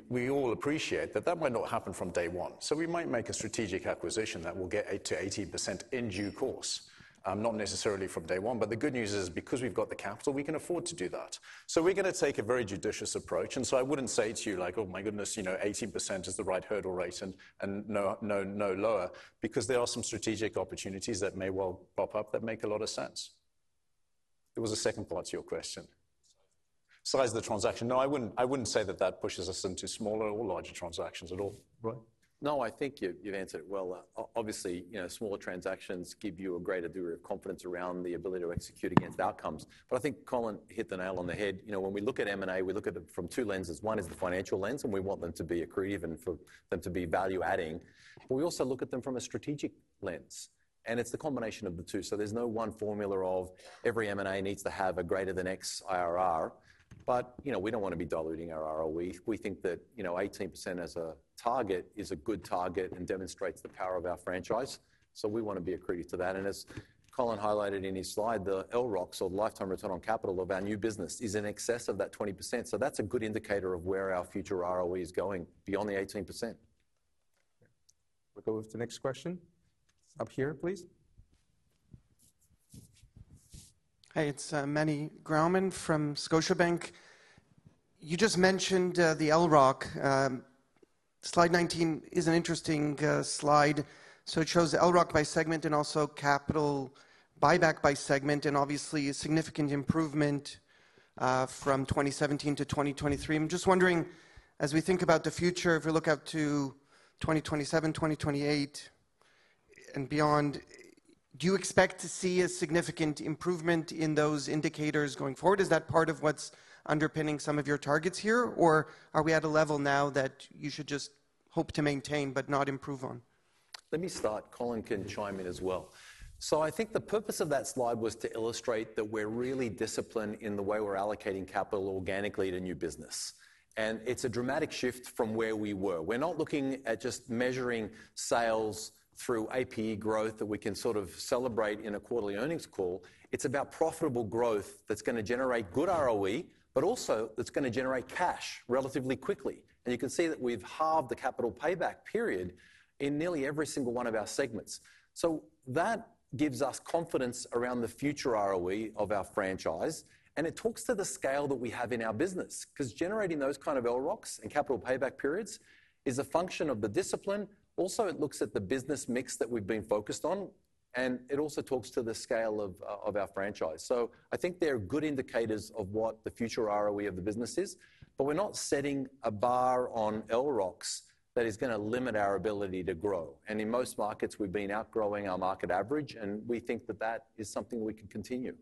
we all appreciate that that might not happen from day one, so we might make a strategic acquisition that will get 8%-18% in due course, not necessarily from day one. But the good news is, because we've got the capital, we can afford to do that. So we're going to take a very judicious approach, and so I wouldn't say to you like, "Oh my goodness, you know, 18% is the right hurdle rate and, and no, no, no lower," because there are some strategic opportunities that may well pop up that make a lot of sense. There was a second part to your question. Size. Size of the transaction. No, I wouldn't, I wouldn't say that that pushes us into smaller or larger transactions at all. Roy? No, I think you've, you've answered it well. Obviously, you know, smaller transactions give you a greater degree of confidence around the ability to execute against outcomes. But I think Colin hit the nail on the head. You know, when we look at M&A, we look at it from two lenses. One is the financial lens, and we want them to be accretive and for them to be value adding. But we also look at them from a strategic lens, and it's the combination of the two. So there's no one formula of every M&A needs to have a greater than X IRR. But, you know, we don't want to be diluting our ROE. We think that, you know, 18% as a target is a good target and demonstrates the power of our franchise, so we want to be accretive to that. As Colin highlighted in his slide, the LROC, so lifetime return on capital of our new business, is in excess of that 20%, so that's a good indicator of where our future ROE is going beyond the 18%. We'll go with the next question. Up here, please. Hi, it's Meny Grauman from Scotiabank. You just mentioned the LROC. Slide 19 is an interesting slide. So it shows the LROC by segment and also capital buyback by segment, and obviously, a significant improvement from 2017 to 2023. I'm just wondering, as we think about the future, if we look out to 2027, 2028 and beyond, do you expect to see a significant improvement in those indicators going forward? Is that part of what's underpinning some of your targets here, or are we at a level now that you should just hope to maintain but not improve on? Let me start. Colin can chime in as well. So I think the purpose of that slide was to illustrate that we're really disciplined in the way we're allocating capital organically to new business, and it's a dramatic shift from where we were. We're not looking at just measuring sales through APE growth that we can sort of celebrate in a quarterly earnings call. It's about profitable growth that's going to generate good ROE, but also that's going to generate cash relatively quickly. You can see that we've halved the capital payback period in nearly every single one of our segments. That gives us confidence around the future ROE of our franchise, and it talks to the scale that we have in our business. 'Cause generating those kind of ROCs and capital payback periods is a function of the discipline. Also, it looks at the business mix that we've been focused on, and it also talks to the scale of our franchise. So I think they're good indicators of what the future ROE of the business is, but we're not setting a bar on ROCs that is going to limit our ability to grow. And in most markets, we've been outgrowing our market average, and we think that that is something we can continue. ...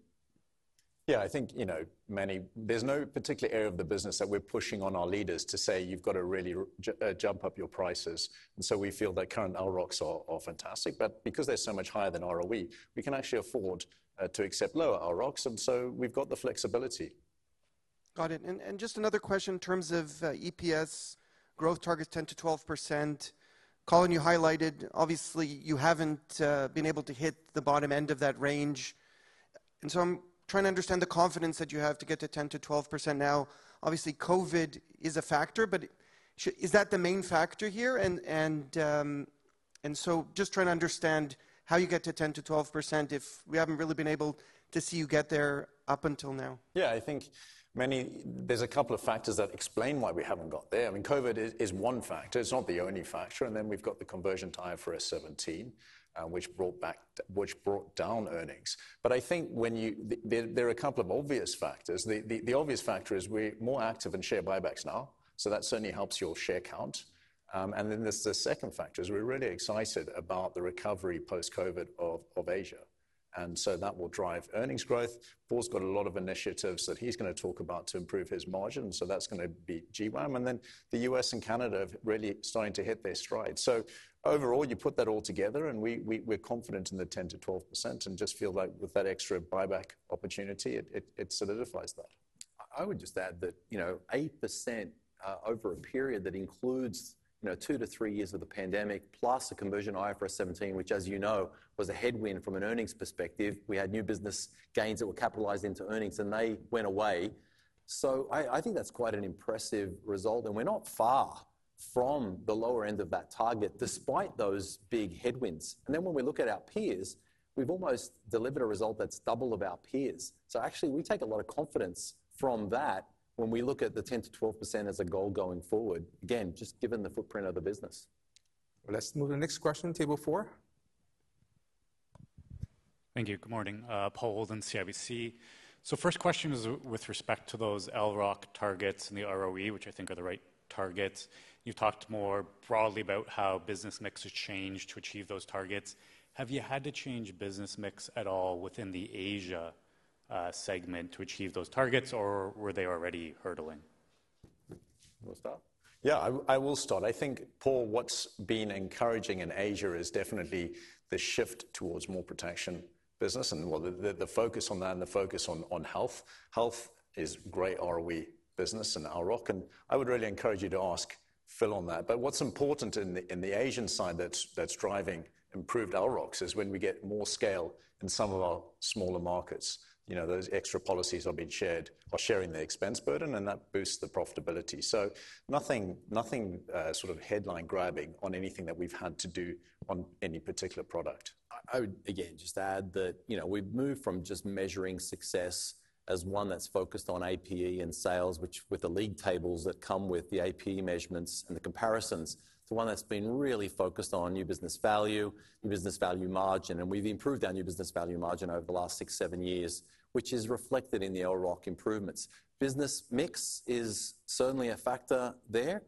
Yeah, I think, you know, many, there's no particular area of the business that we're pushing on our leaders to say, "You've got to really jump up your prices." And so we feel that current ROCs are fantastic. But because they're so much higher than ROE, we can actually afford to accept lower ROCs, and so we've got the flexibility. Got it. And, and just another question in terms of, EPS growth target 10%-12%. Colin, you highlighted, obviously, you haven't been able to hit the bottom end of that range, and so I'm trying to understand the confidence that you have to get to 10%-12%. Now, obviously, COVID is a factor, but is that the main factor here? And, and, and so just trying to understand how you get to 10%-12% if we haven't really been able to see you get there up until now. Yeah, I think there's a couple of factors that explain why we haven't got there. I mean, COVID is one factor. It's not the only factor, and then we've got the conversion to IFRS 17, which brought down earnings. But I think there are a couple of obvious factors. The obvious factor is we're more active in share buybacks now, so that certainly helps your share count. And then the second factor is we're really excited about the recovery post-COVID of Asia, and so that will drive earnings growth. Paul's got a lot of initiatives that he's gonna talk about to improve his margins, so that's gonna be GWAM. And then the US and Canada have really starting to hit their stride. So overall, you put that all together, and we're confident in the 10%-12% and just feel like with that extra buyback opportunity, it solidifies that. I, I would just add that, you know, 8%, over a period that includes, you know, 2-3 years of the pandemic, plus a conversion IFRS 17, which, as you know, was a headwind from an earnings perspective. We had new business gains that were capitalized into earnings, and they went away. So I, I think that's quite an impressive result, and we're not far from the lower end of that target, despite those big headwinds. And then when we look at our peers, we've almost delivered a result that's double of our peers. So actually, we take a lot of confidence from that when we look at the 10%-12% as a goal going forward, again, just given the footprint of the business. Let's move to the next question, table four. Thank you. Good morning, Paul Holden, CIBC. So first question is with respect to those LROC targets and the ROE, which I think are the right targets. You've talked more broadly about how business mix has changed to achieve those targets. Have you had to change business mix at all within the Asia segment, to achieve those targets, or were they already hurdling? You want to start? Yeah, I will start. I think, Paul, what's been encouraging in Asia is definitely the shift towards more protection business and well, the focus on that and the focus on health. Health is great ROE business and LROC, and I would really encourage you to ask Phil on that. But what's important in the Asian side that's driving improved ROCs is when we get more scale in some of our smaller markets. You know, those extra policies are being shared, are sharing the expense burden, and that boosts the profitability. So nothing sort of headline grabbing on anything that we've had to do on any particular product. I would, again, just add that, you know, we've moved from just measuring success as one that's focused on APE and sales, which with the league tables that come with the APE measurements and the comparisons, to one that's been really focused on new business value, new business value margin, and we've improved our new business value margin over the last six, seven years, which is reflected in the LROC improvements. Business mix is certainly a factor there,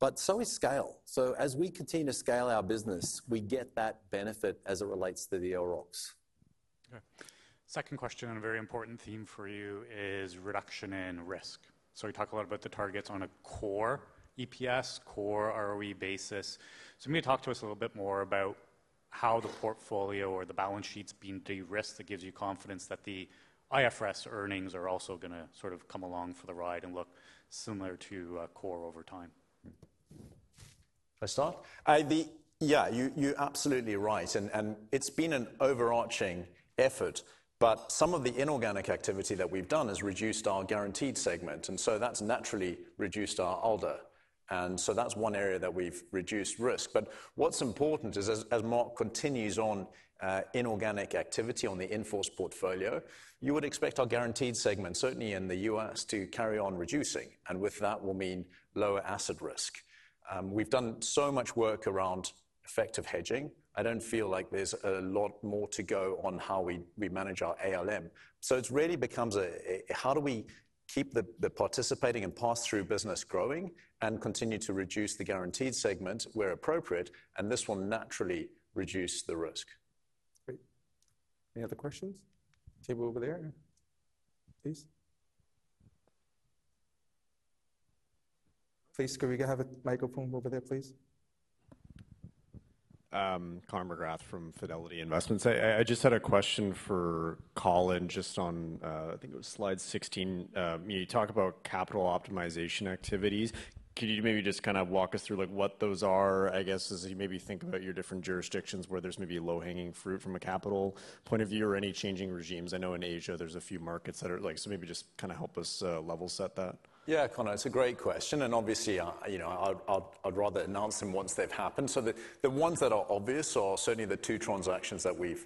but so is scale. So as we continue to scale our business, we get that benefit as it relates to the ROCs. Okay. Second question, and a very important theme for you is reduction in risk. So we talk a lot about the targets on a core EPS, core ROE basis. So maybe talk to us a little bit more about how the portfolio or the balance sheet's being de-risked that gives you confidence that the IFRS earnings are also gonna sort of come along for the ride and look similar to core over time. Yeah, you're absolutely right, and it's been an overarching effort, but some of the inorganic activity that we've done has reduced our guaranteed segment, and so that's naturally reduced our ALDA. And so that's one area that we've reduced risk. But what's important is as Marc continues on, inorganic activity on the in-force portfolio, you would expect our guaranteed segment, certainly in the U.S., to carry on reducing, and with that will mean lower asset risk. We've done so much work around effective hedging. I don't feel like there's a lot more to go on how we manage our ALM. So it really becomes a how do we keep the participating and pass-through business growing and continue to reduce the guaranteed segment where appropriate, and this will naturally reduce the risk. Great. Any other questions? Table over there. Please. Please, could we have a microphone over there, please? Connor McGrath from Fidelity Investments. I just had a question for Colin, just on, I think it was slide 16. You talk about capital optimization activities. Could you maybe just kind of walk us through, like, what those are? I guess as you maybe think about your different jurisdictions, where there's maybe low-hanging fruit from a capital point of view or any changing regimes. I know in Asia, there's a few markets that are like... So maybe just kind of help us level set that. Yeah, Connor, it's a great question, and obviously, I, you know, I'd rather announce them once they've happened. So the ones that are obvious are certainly the two transactions that we've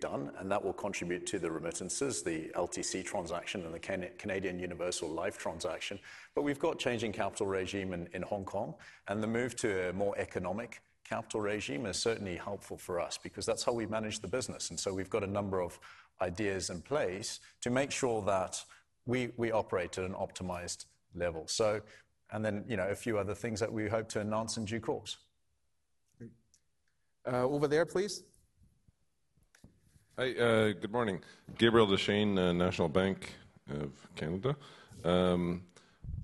done, and that will contribute to the remittances, the LTC transaction and the Canadian Universal Life transaction. But we've got changing capital regime in Hong Kong, and the move to a more economic capital regime is certainly helpful for us because that's how we manage the business, and so we've got a number of ideas in place to make sure that we operate at an optimized level. So, and then, you know, a few other things that we hope to announce in due course.... over there, please. Hi, good morning. Gabriel Dechaine, National Bank of Canada.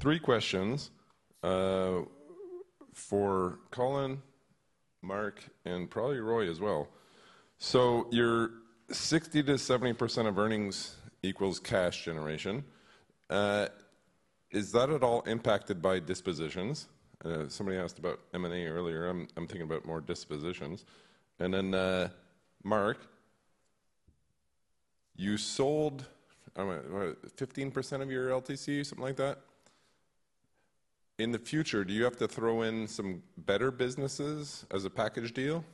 Three questions for Colin, Marc, and probably Roy as well. So your 60%-70% of earnings equals cash generation. Is that at all impacted by dispositions? Somebody asked about M&A earlier, I'm thinking about more dispositions. And then, Marc, you sold what, 15% of your LTC, something like that? In the future, do you have to throw in some better businesses as a package deal?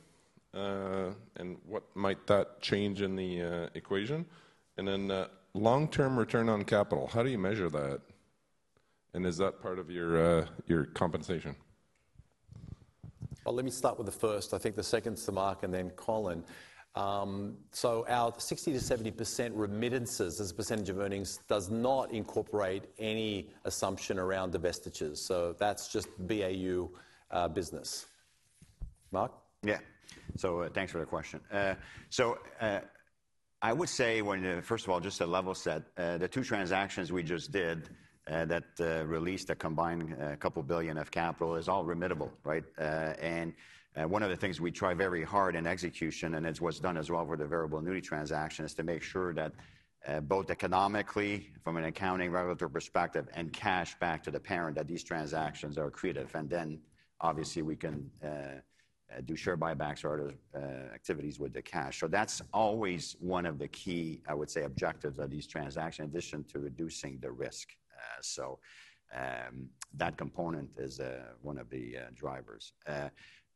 And what might that change in the equation? And then, long-term return on capital, how do you measure that? And is that part of your compensation? Well, let me start with the first. I think the second's to Marc and then Colin. So our 60%-70% remittances as a percentage of earnings does not incorporate any assumption around divestitures. So that's just BAU, business. Marc? Yeah. So, thanks for the question. So, I would say when, first of all, just to level set, the two transactions we just did, that released a combined 2 billion of capital is all remittable, right? And, one of the things we try very hard in execution, and it's what's done as well with the variable annuity transaction, is to make sure that, both economically from an accounting regulatory perspective and cash back to the parent, that these transactions are accretive. And then obviously we can, do share buybacks or other, activities with the cash. So that's always one of the key, I would say, objectives of these transactions, in addition to reducing the risk. So, that component is, one of the, drivers.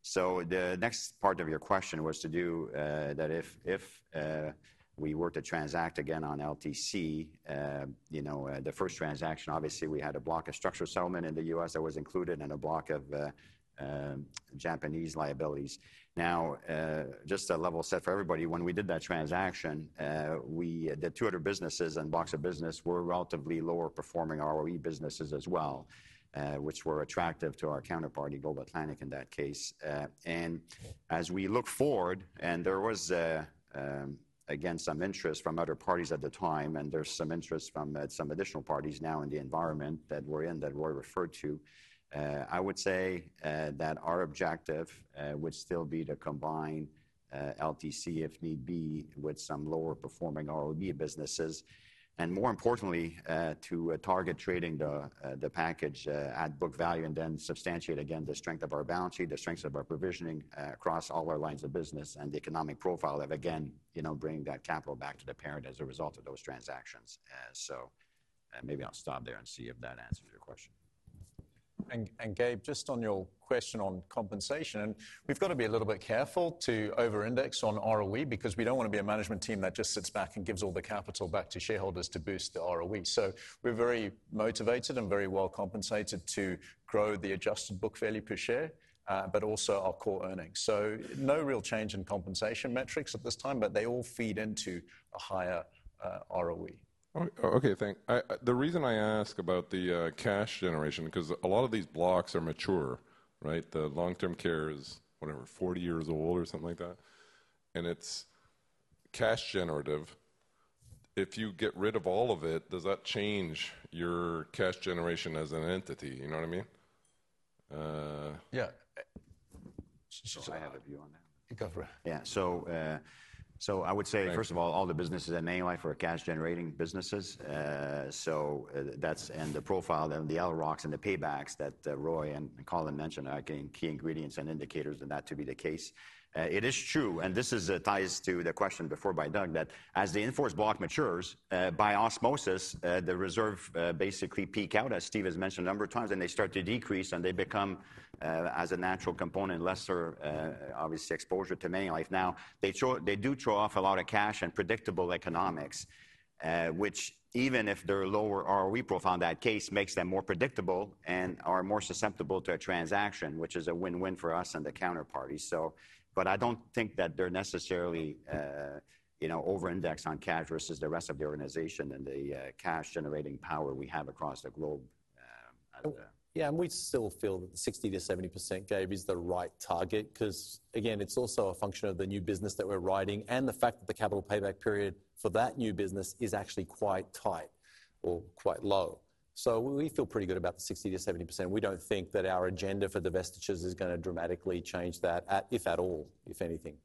So the next part of your question was to do that if we were to transact again on LTC, you know, the first transaction, obviously, we had a block of structured settlement in the US that was included in a block of Japanese liabilities. Now, just to level set for everybody, when we did that transaction, we... The two other businesses and blocks of business were relatively lower performing ROE businesses as well, which were attractive to our counterparty, Global Atlantic, in that case. As we look forward, there was again some interest from other parties at the time, and there's some interest from some additional parties now in the environment that we're in, that Roy referred to. I would say that our objective would still be to combine LTC if need be with some lower performing ROE businesses, and more importantly, to target trading the package at book value, and then substantiate again the strength of our balance sheet, the strengths of our provisioning across all our lines of business and the economic profile of again, you know, bringing that capital back to the parent as a result of those transactions. So, maybe I'll stop there and see if that answers your question. Gabe, just on your question on compensation, we've got to be a little bit careful to overindex on ROE because we don't want to be a management team that just sits back and gives all the capital back to shareholders to boost the ROE. So we're very motivated and very well compensated to grow the adjusted book value per share, but also our core earnings. So no real change in compensation metrics at this time, but they all feed into a higher ROE. Oh, okay. The reason I ask about the cash generation, because a lot of these blocks are mature, right? The long-term care is, whatever, 40 years old or something like that, and it's cash generative. If you get rid of all of it, does that change your cash generation as an entity? You know what I mean? Yeah. I have a view on that. Go for it. Yeah. So, I would say- Right... first of all, all the businesses at Manulife are cash-generating businesses. So, that's, and the profile, and the ROCs and the paybacks that, Roy and Colin mentioned are, again, key ingredients and indicators of that to be the case. It is true, and this ties to the question before by Doug, that as the in-force block matures, by osmosis, the reserve basically peak out, as Steve has mentioned a number of times, and they start to decrease, and they become, as a natural component, lesser, obviously, exposure to Manulife. Now, they do throw off a lot of cash and predictable economics, which even if they're lower ROE profile in that case, makes them more predictable and are more susceptible to a transaction, which is a win-win for us and the counterparty, so... But I don't think that they're necessarily, you know, overindexed on cash versus the rest of the organization and the cash-generating power we have across the globe, and- Yeah, and we still feel that 60%-70%, Gabe, is the right target, 'cause again, it's also a function of the new business that we're writing and the fact that the capital payback period for that new business is actually quite tight or quite low. So we feel pretty good about the 60%-70%. We don't think that our agenda for divestitures is gonna dramatically change that, at, if at all, if anything.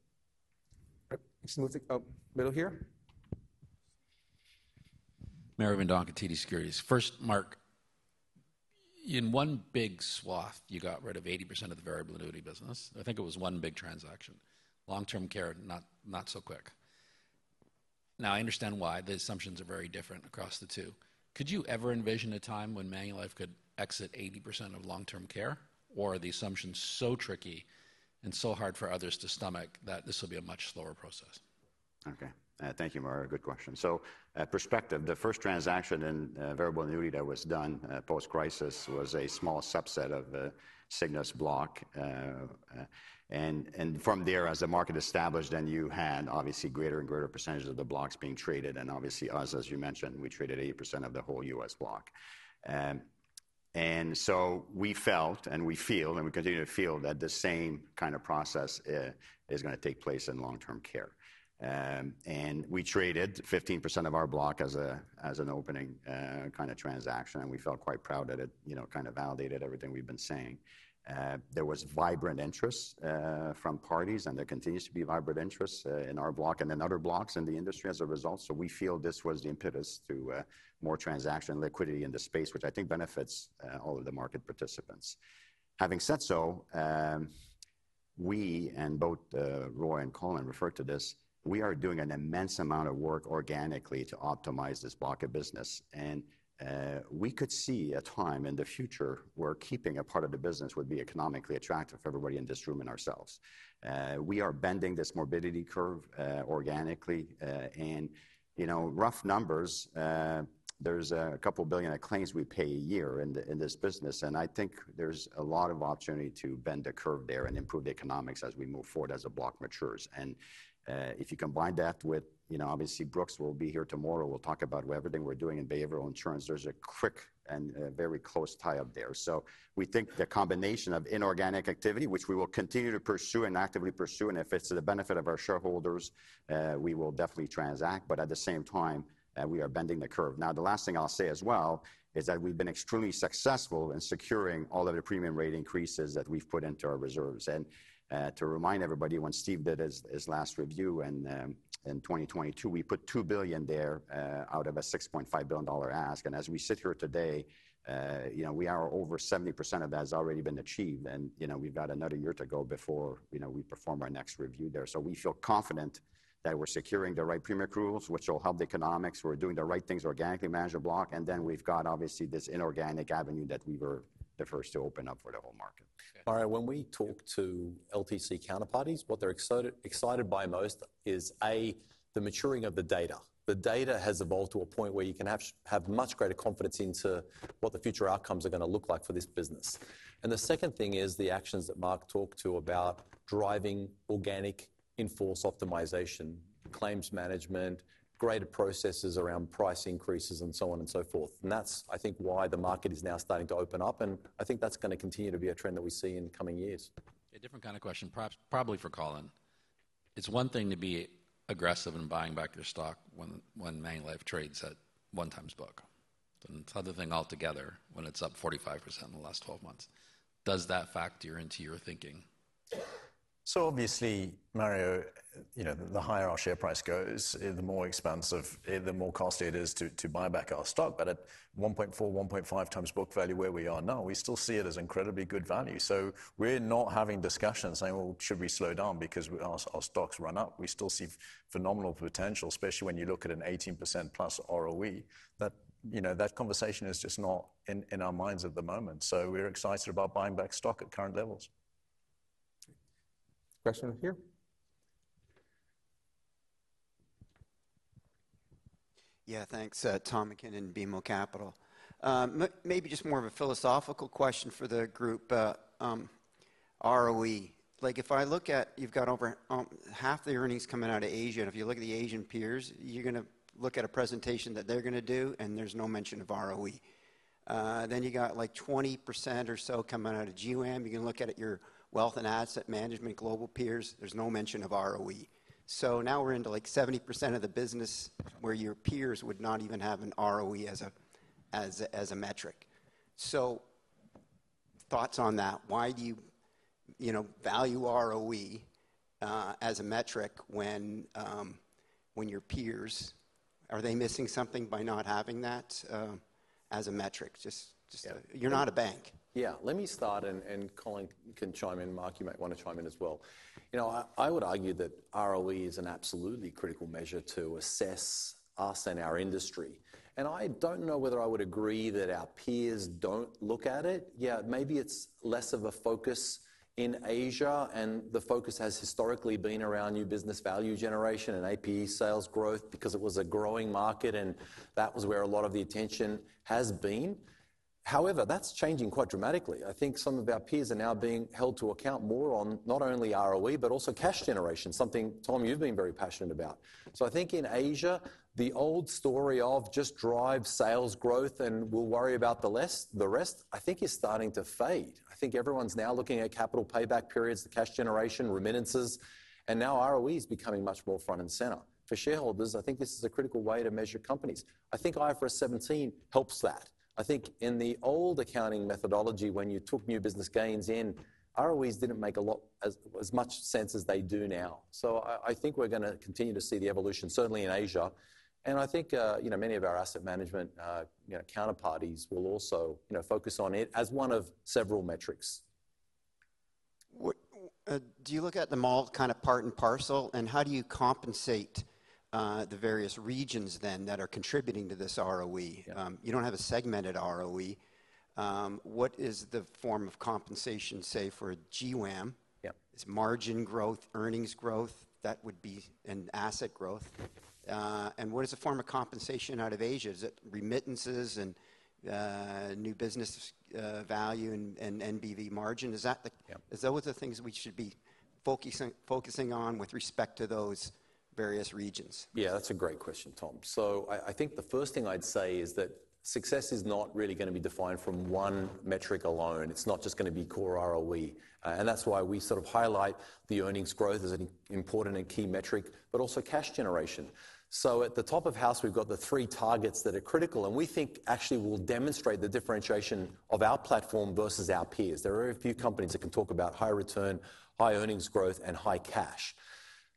Right. Let's move to middle here. Mario Mendonca, TD Securities. First, Marc, in one big swath, you got rid of 80% of the variable annuity business. I think it was one big transaction. Long-term care, not, not so quick. Now, I understand why. The assumptions are very different across the two. Could you ever envision a time when Manulife could exit 80% of long-term care, or are the assumptions so tricky and so hard for others to stomach that this will be a much slower process? Okay. Thank you, Mario. Good question. So, perspective, the first transaction in variable annuity that was done post-crisis was a small subset of the Cigna's block. And, and from there, as the market established, and you had obviously greater and greater percentages of the blocks being traded, and obviously us, as you mentioned, we traded 80% of the whole U.S. block. And so we felt, and we feel, and we continue to feel that the same kind of process is going to take place in long-term care. And we traded 15% of our block as a, as an opening kind of transaction, and we felt quite proud that it, you know, kind of validated everything we've been saying. There was vibrant interest from parties, and there continues to be vibrant interest in our block and in other blocks in the industry as a result. So we feel this was the impetus to more transaction liquidity in the space, which I think benefits all of the market participants. Having said so, we and both Roy and Colin referred to this, we are doing an immense amount of work organically to optimize this block of business, and we could see a time in the future where keeping a part of the business would be economically attractive for everybody in this room and ourselves. We are bending this morbidity curve organically. And, you know, rough numbers, there's a couple billion of claims we pay a year in this business, and I think there's a lot of opportunity to bend the curve there and improve the economics as we move forward, as the block matures. And if you combine that with... You know, obviously, Brooks will be here tomorrow. We'll talk about everything we're doing in behavioral insurance. There's a quick and very close tie-up there. So we think the combination of inorganic activity, which we will continue to pursue and actively pursue, and if it's to the benefit of our shareholders, we will definitely transact, but at the same time, we are bending the curve. Now, the last thing I'll say as well is that we've been extremely successful in securing all of the premium rate increases that we've put into our reserves. To remind everybody, when Steve did his, his last review in 2022, we put $2 billion there, out of a $6.5 billion ask. And as we sit here today, you know, we are over 70% of that has already been achieved, and, you know, we've got another year to go before, you know, we perform our next review there. So we feel confident that we're securing the right premium accruals, which will help the economics. We're doing the right things organically, manage the block, and then we've got obviously this inorganic avenue that we were the first to open up for the whole market. Mario, when we talk to LTC counterparties, what they're excited by most is, A, the maturing of the data. The data has evolved to a point where you can have much greater confidence into what the future outcomes are going to look like for this business. And the second thing is the actions that Marc talked to about driving organic in-force optimization, claims management, greater processes around price increases, and so on and so forth. And that's, I think, why the market is now starting to open up, and I think that's going to continue to be a trend that we see in coming years. A different kind of question, props, probably for Colin. It's one thing to be aggressive in buying back your stock when Manulife trades at 1 times book, and it's another thing altogether when it's up 45% in the last 12 months. Does that factor into your thinking? So obviously, Mario, you know, the higher our share price goes, the more expensive, the more costly it is to buy back our stock. But at 1.4, 1.5 times book value, where we are now, we still see it as incredibly good value. So we're not having discussions saying, "Well, should we slow down because our stock's run up?" We still see phenomenal potential, especially when you look at an 18%+ ROE. That, you know, that conversation is just not in our minds at the moment, so we're excited about buying back stock at current levels. Question over here. Yeah, thanks. Tom MacKinnon, BMO Capital. Maybe just more of a philosophical question for the group. ROE, like, if I look at you've got over half the earnings coming out of Asia, and if you look at the Asian peers, you're gonna look at a presentation that they're gonna do, and there's no mention of ROE. Then you got, like, 20% or so coming out of GWAM. You can look at it, your wealth and asset management global peers, there's no mention of ROE. So now we're into, like, 70% of the business where your peers would not even have an ROE as a metric. So thoughts on that? Why do you value ROE as a metric when your peers... Are they missing something by not having that as a metric? Just, just- Yeah. You're not a bank. Yeah, let me start, and Colin can chime in. Marc, you might want to chime in as well. You know, I would argue that ROE is an absolutely critical measure to assess us and our industry, and I don't know whether I would agree that our peers don't look at it. Yeah, maybe it's less of a focus in Asia, and the focus has historically been around new business value generation and APE sales growth because it was a growing market, and that was where a lot of the attention has been. However, that's changing quite dramatically. I think some of our peers are now being held to account more on not only ROE but also cash generation, something, Tom, you've been very passionate about. So I think in Asia, the old story of just drive sales growth and we'll worry about the rest, I think is starting to fade. I think everyone's now looking at capital payback periods, the cash generation, remittances, and now ROE is becoming much more front and center. For shareholders, I think this is a critical way to measure companies. I think IFRS 17 helps that. I think in the old accounting methodology, when you took new business gains in, ROEs didn't make as much sense as they do now. So I think we're going to continue to see the evolution, certainly in Asia, and I think, you know, many of our asset management, you know, counterparties will also, you know, focus on it as one of several metrics. What do you look at them all kind of part and parcel, and how do you compensate the various regions then that are contributing to this ROE? Yeah. You don't have a segmented ROE. What is the form of compensation, say, for a GWAM? Yep. It's margin growth, earnings growth, that would be, and asset growth. And what is the form of compensation out of Asia? Is it remittances and new business value and NBV margin? Is that the- Yep. Is those the things we should be focusing on with respect to those various regions? Yeah, that's a great question, Tom. So I think the first thing I'd say is that success is not really gonna be defined from one metric alone. It's not just gonna be core ROE, and that's why we sort of highlight the earnings growth as an important and key metric, but also cash generation. So at the top of house, we've got the three targets that are critical, and we think actually will demonstrate the differentiation of our platform versus our peers. There are very few companies that can talk about high return, high earnings growth, and high cash.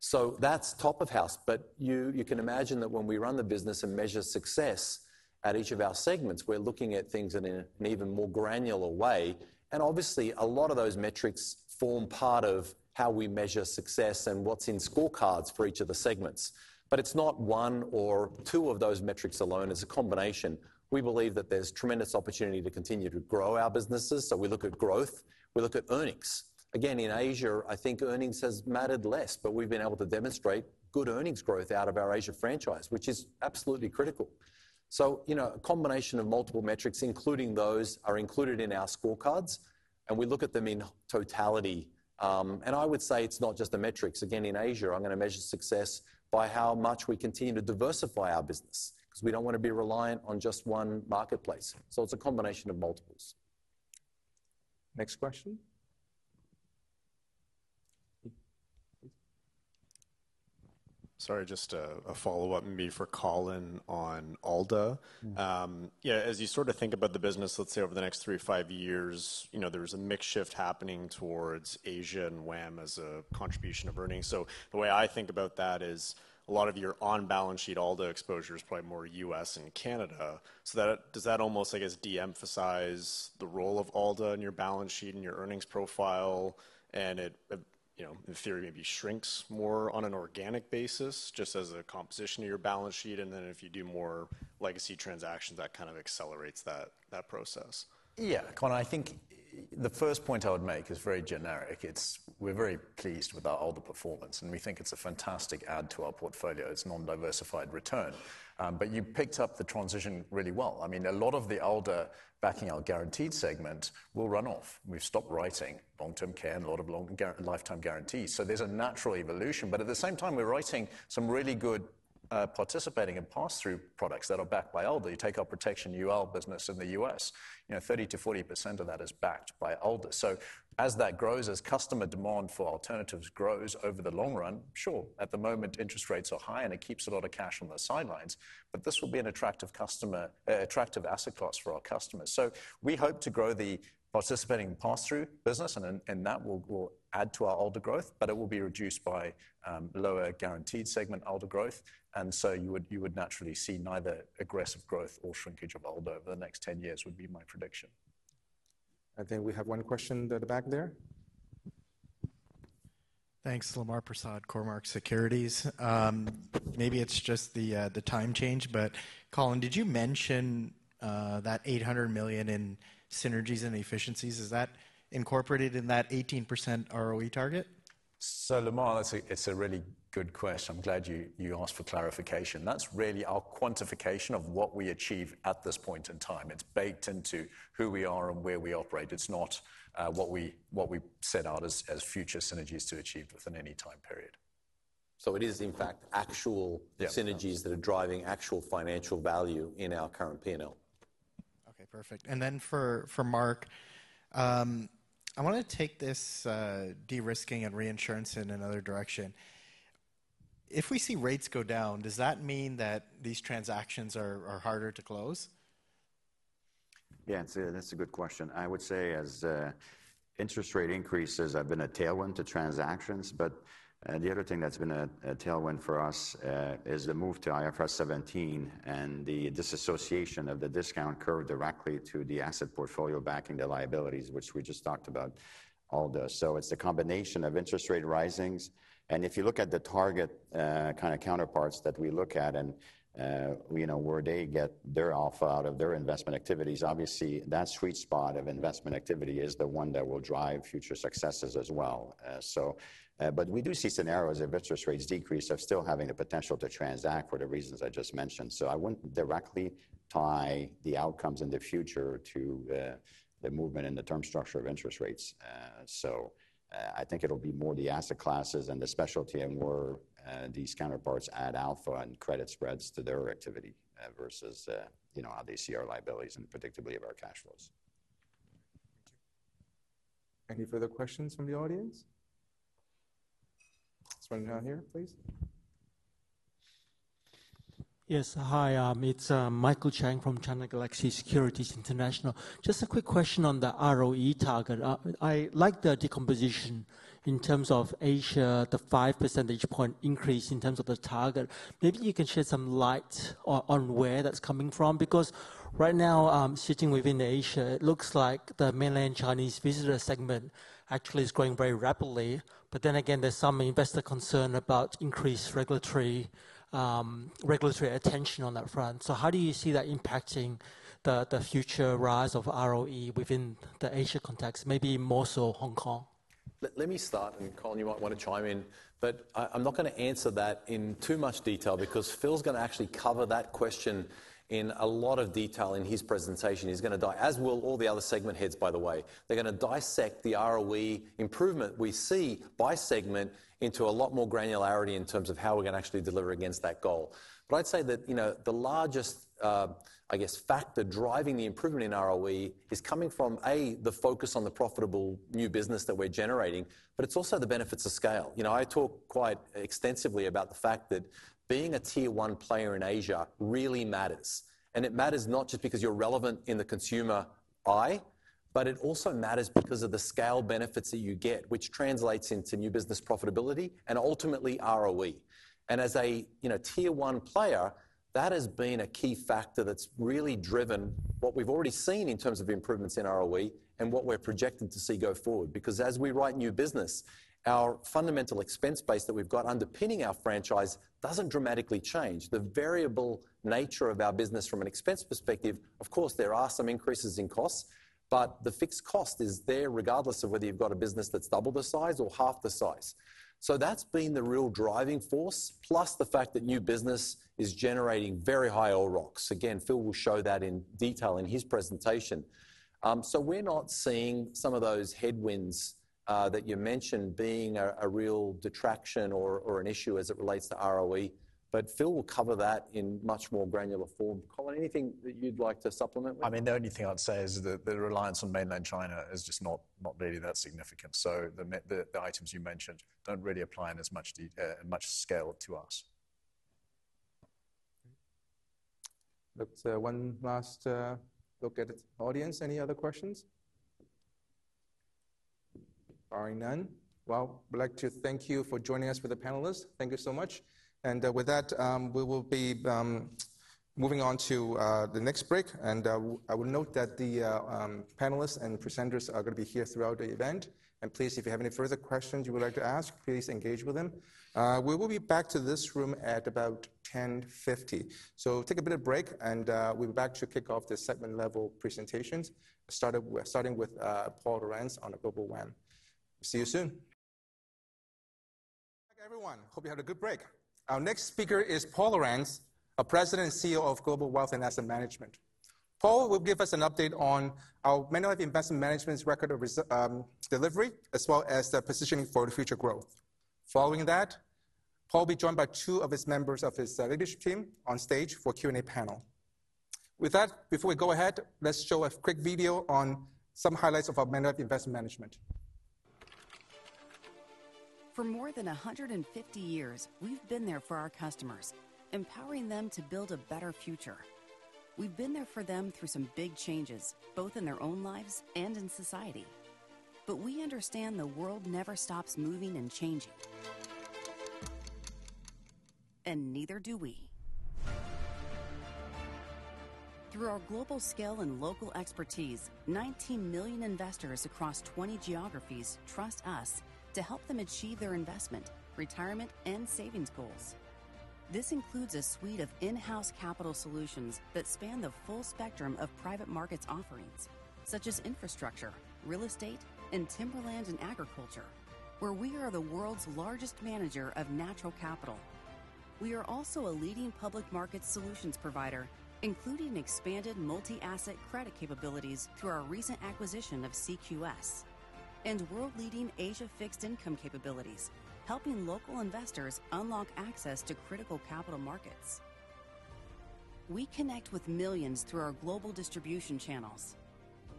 So that's top of house, but you can imagine that when we run the business and measure success at each of our segments, we're looking at things in an even more granular way. Obviously, a lot of those metrics form part of how we measure success and what's in scorecards for each of the segments. But it's not one or two of those metrics alone, it's a combination. We believe that there's tremendous opportunity to continue to grow our businesses, so we look at growth, we look at earnings. Again, in Asia, I think earnings has mattered less, but we've been able to demonstrate good earnings growth out of our Asia franchise, which is absolutely critical. So, you know, a combination of multiple metrics, including those, are included in our scorecards, and we look at them in totality. And I would say it's not just the metrics. Again, in Asia, I'm gonna measure success by how much we continue to diversify our business, 'cause we don't want to be reliant on just one marketplace. So it's a combination of multiples. Next question? Sorry, just a follow-up, maybe for Colin on ALDA. Mm-hmm. Yeah, as you sort of think about the business, let's say over the next three to five years, you know, there's a mix shift happening towards Asia and WAM as a contribution of earnings. So the way I think about that is a lot of your on-balance sheet ALDA exposure is probably more U.S. and Canada. So that, does that almost, I guess, de-emphasize the role of ALDA in your balance sheet and your earnings profile, and it, you know, in theory, maybe shrinks more on an organic basis, just as a composition of your balance sheet, and then if you do more legacy transactions, that kind of accelerates that process? Yeah, Colin, I think the first point I would make is very generic. It's we're very pleased with our ALDA performance, and we think it's a fantastic add to our portfolio. It's non-diversified return. But you picked up the transition really well. I mean, a lot of the ALDA backing our guaranteed segment will run off. We've stopped writing long-term care and a lot of lifetime guarantees. So there's a natural evolution, but at the same time, we're writing some really good participating and pass-through products that are backed by ALDA. You take our protection UL business in the US, you know, 30%-40% of that is backed by ALDA. So as that grows, as customer demand for alternatives grows over the long run, sure, at the moment, interest rates are high, and it keeps a lot of cash on the sidelines, but this will be an attractive customer, attractive asset class for our customers. So we hope to grow the participating pass-through business, and then, and that will add to our ALDA growth, but it will be reduced by lower guaranteed segment ALDA growth. And so you would naturally see neither aggressive growth or shrinkage of ALDA over the next 10 years, would be my prediction. I think we have one question at the back there. Thanks. Lemar Persaud, Cormark Securities. Maybe it's just the time change, but Colin, did you mention that 800 million in synergies and efficiencies, is that incorporated in that 18% ROE target? So, Lemar, that's a really good question. I'm glad you asked for clarification. That's really our quantification of what we achieve at this point in time. It's baked into who we are and where we operate. It's not what we set out as future synergies to achieve within any time period. So it is, in fact, actual- Yep... synergies that are driving actual financial value in our current P&L. Okay, perfect. And then for Marc, I wanna take this de-risking and reinsurance in another direction. If we see rates go down, does that mean that these transactions are harder to close? Yeah, that's a good question. I would say as interest rate increases have been a tailwind to transactions, but the other thing that's been a tailwind for us is the move to IFRS 17 and the disassociation of the discount curve directly to the asset portfolio backing the liabilities, which we just talked about, ALDA. So it's the combination of interest rate risings, and if you look at the target kind of counterparts that we look at and you know where they get their alpha out of their investment activities, obviously, that sweet spot of investment activity is the one that will drive future successes as well. But we do see scenarios if interest rates decrease of still having the potential to transact for the reasons I just mentioned. So I wouldn't directly tie the outcomes in the future to the movement in the term structure of interest rates. I think it'll be more the asset classes and the specialty and where these counterparties add alpha and credit spreads to their activity versus you know how they see our liabilities and predictability of our cash flows. Thank you. Any further questions from the audience? This one down here, please. Yes. Hi, it's Michael Chang from China Galaxy Securities International. Just a quick question on the ROE target. I like the decomposition in terms of Asia, the 5 percentage point increase in terms of the target. Maybe you can shed some light on where that's coming from, because right now, sitting within Asia, it looks like the mainland Chinese visitor segment actually is growing very rapidly. But then again, there's some investor concern about increased regulatory attention on that front. So how do you see that impacting the future rise of ROE within the Asia context, maybe more so Hong Kong? Let me start, and Colin, you might want to chime in, but I, I'm not gonna answer that in too much detail because Phil's gonna actually cover that question in a lot of detail in his presentation. He's gonna—as will all the other segment heads, by the way. They're gonna dissect the ROE improvement we see by segment into a lot more granularity in terms of how we're gonna actually deliver against that goal. But I'd say that, you know, the largest, I guess, factor driving the improvement in ROE is coming from, A, the focus on the profitable new business that we're generating, but it's also the benefits of scale. You know, I talk quite extensively about the fact that being a tier one player in Asia really matters, and it matters not just because you're relevant in the consumer eye, but it also matters because of the scale benefits that you get, which translates into new business profitability and ultimately ROE. And as a, you know, tier one player, that has been a key factor that's really driven what we've already seen in terms of improvements in ROE and what we're projecting to see go forward. Because as we write new business, our fundamental expense base that we've got underpinning our franchise doesn't dramatically change. The variable nature of our business from an expense perspective, of course, there are some increases in costs, but the fixed cost is there regardless of whether you've got a business that's double the size or half the size. So that's been the real driving force, plus the fact that new business is generating very high ROCs. Again, Phil will show that in detail in his presentation. So we're not seeing some of those headwinds that you mentioned being a real detraction or an issue as it relates to ROE, but Phil will cover that in much more granular form. Colin, anything that you'd like to supplement with? I mean, the only thing I'd say is that the reliance on Mainland China is just not, not really that significant. So the items you mentioned don't really apply in as much much scale to us. Okay. Let's one last look at the audience. Any other questions? Barring none, well, we'd like to thank you for joining us with the panelists. Thank you so much. And with that, we will be moving on to the next break, and I will note that the panelists and presenters are gonna be here throughout the event. And please, if you have any further questions you would like to ask, please engage with them. We will be back to this room at about 10:50. So take a bit of break, and we'll be back to kick off the segment level presentations, starting with Paul Lorentz on the GWAM. See you soon. Welcome back, everyone. Hope you had a good break. Our next speaker is Paul Lorentz, our President and CEO of Global Wealth and Asset Management. Paul will give us an update on our Manulife Investment Management's record of results delivery, as well as the positioning for the future growth. Following that, Paul will be joined by two of his members of his leadership team on stage for Q&A panel. With that, before we go ahead, let's show a quick video on some highlights of our Manulife Investment Management. For more than 150 years, we've been there for our customers, empowering them to build a better future. We've been there for them through some big changes, both in their own lives and in society. But we understand the world never stops moving and changing, and neither do we. Through our global scale and local expertise, 19 million investors across 20 geographies trust us to help them achieve their investment, retirement, and savings goals. This includes a suite of in-house capital solutions that span the full spectrum of private markets offerings, such as infrastructure, real estate, and timberland and agriculture, where we are the world's largest manager of natural capital. We are also a leading public market solutions provider, including expanded multi-asset credit capabilities through our recent acquisition of CQS and world-leading Asia fixed income capabilities, helping local investors unlock access to critical capital markets. We connect with millions through our global distribution channels.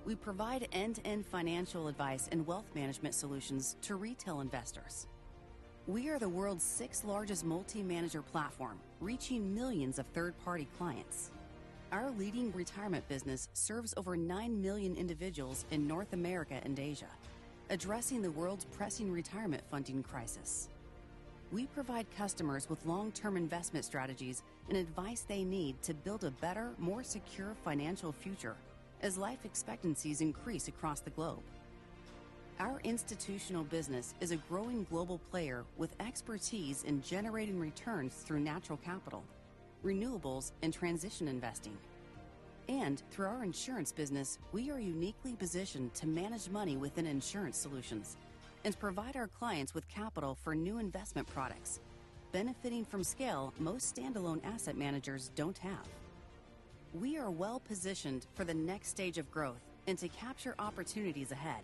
We provide end-to-end financial advice and wealth management solutions to retail investors. We are the world's sixth-largest multi-manager platform, reaching millions of third-party clients. Our leading retirement business serves over 9 million individuals in North America and Asia, addressing the world's pressing retirement funding crisis. We provide customers with long-term investment strategies and advice they need to build a better, more secure financial future as life expectancies increase across the globe. Our institutional business is a growing global player with expertise in generating returns through natural capital, renewables, and transition investing. Through our insurance business, we are uniquely positioned to manage money within insurance solutions and provide our clients with capital for new investment products, benefiting from scale most standalone asset managers don't have. We are well positioned for the next stage of growth and to capture opportunities ahead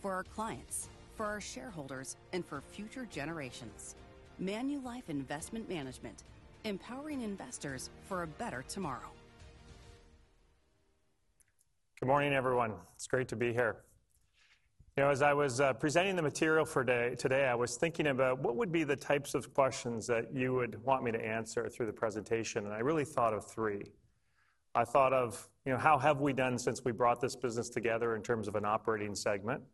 for our clients, for our shareholders, and for future generations. Manulife Investment Management, empowering investors for a better tomorrow. Good morning, everyone. It's great to be here. You know, as I was presenting the material for day today, I was thinking about what would be the types of questions that you would want me to answer through the presentation, and I really thought of three. I thought of, you know, "How have we done since we brought this business together in terms of an operating segment?"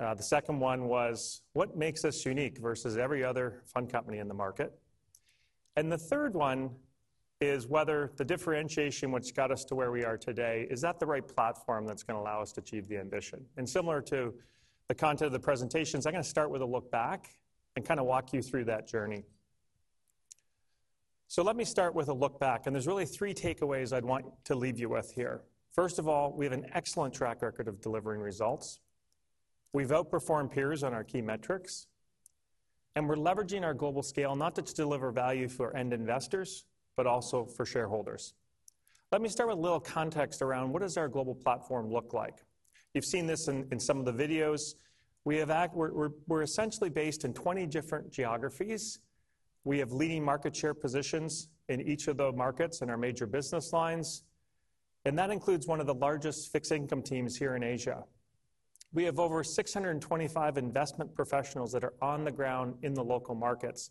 The second one was, "What makes us unique versus every other fund company in the market?" And the third one is whether the differentiation which got us to where we are today is that the right platform that's gonna allow us to achieve the ambition? And similar to the content of the presentations, I'm gonna start with a look back and kind of walk you through that journey.... So let me start with a look back, and there's really three takeaways I'd want to leave you with here. First of all, we have an excellent track record of delivering results. We've outperformed peers on our key metrics, and we're leveraging our global scale not to just deliver value for end investors, but also for shareholders. Let me start with a little context around what does our global platform look like? You've seen this in some of the videos. We're essentially based in 20 different geographies. We have leading market share positions in each of the markets in our major business lines, and that includes one of the largest fixed income teams here in Asia. We have over 625 investment professionals that are on the ground in the local markets,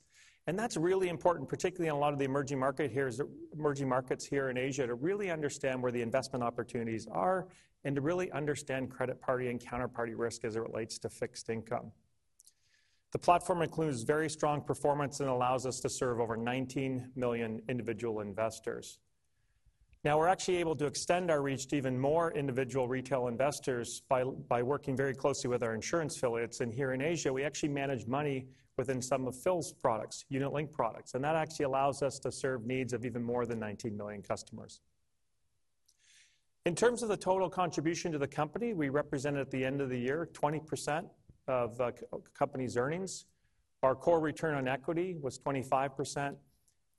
and that's really important, particularly in a lot of the emerging market here, emerging markets here in Asia, to really understand where the investment opportunities are and to really understand credit quality and counterparty risk as it relates to fixed income. The platform includes very strong performance and allows us to serve over 19 million individual investors. Now, we're actually able to extend our reach to even more individual retail investors by, by working very closely with our insurance affiliates. And here in Asia, we actually manage money within some of Phil's products, unit-linked products, and that actually allows us to serve needs of even more than 19 million customers. In terms of the total contribution to the company, we represented at the end of the year, 20% of the company's earnings. Our core return on equity was 25%,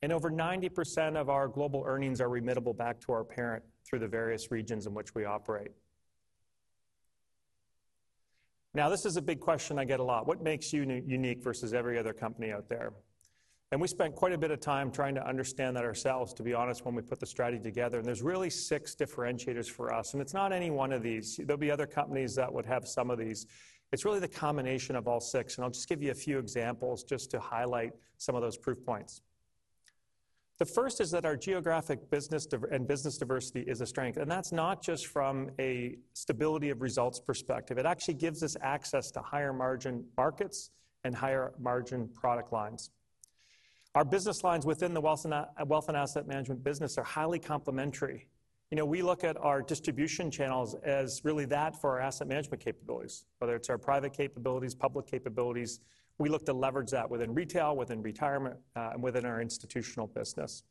and over 90% of our global earnings are remittable back to our parent through the various regions in which we operate. Now, this is a big question I get a lot: What makes you unique versus every other company out there? We spent quite a bit of time trying to understand that ourselves, to be honest, when we put the strategy together. There's really six differentiators for us, and it's not any one of these. There'll be other companies that would have some of these. It's really the combination of all six, and I'll just give you a few examples just to highlight some of those proof points. The first is that our geographic business diversity and business diversity is a strength, and that's not just from a stability of results perspective. It actually gives us access to higher-margin markets and higher-margin product lines. Our business lines within the wealth and asset management business are highly complementary. You know, we look at our distribution channels as really that for our asset management capabilities, whether it's our private capabilities, public capabilities, we look to leverage that within retail, within retirement, and within our institutional business.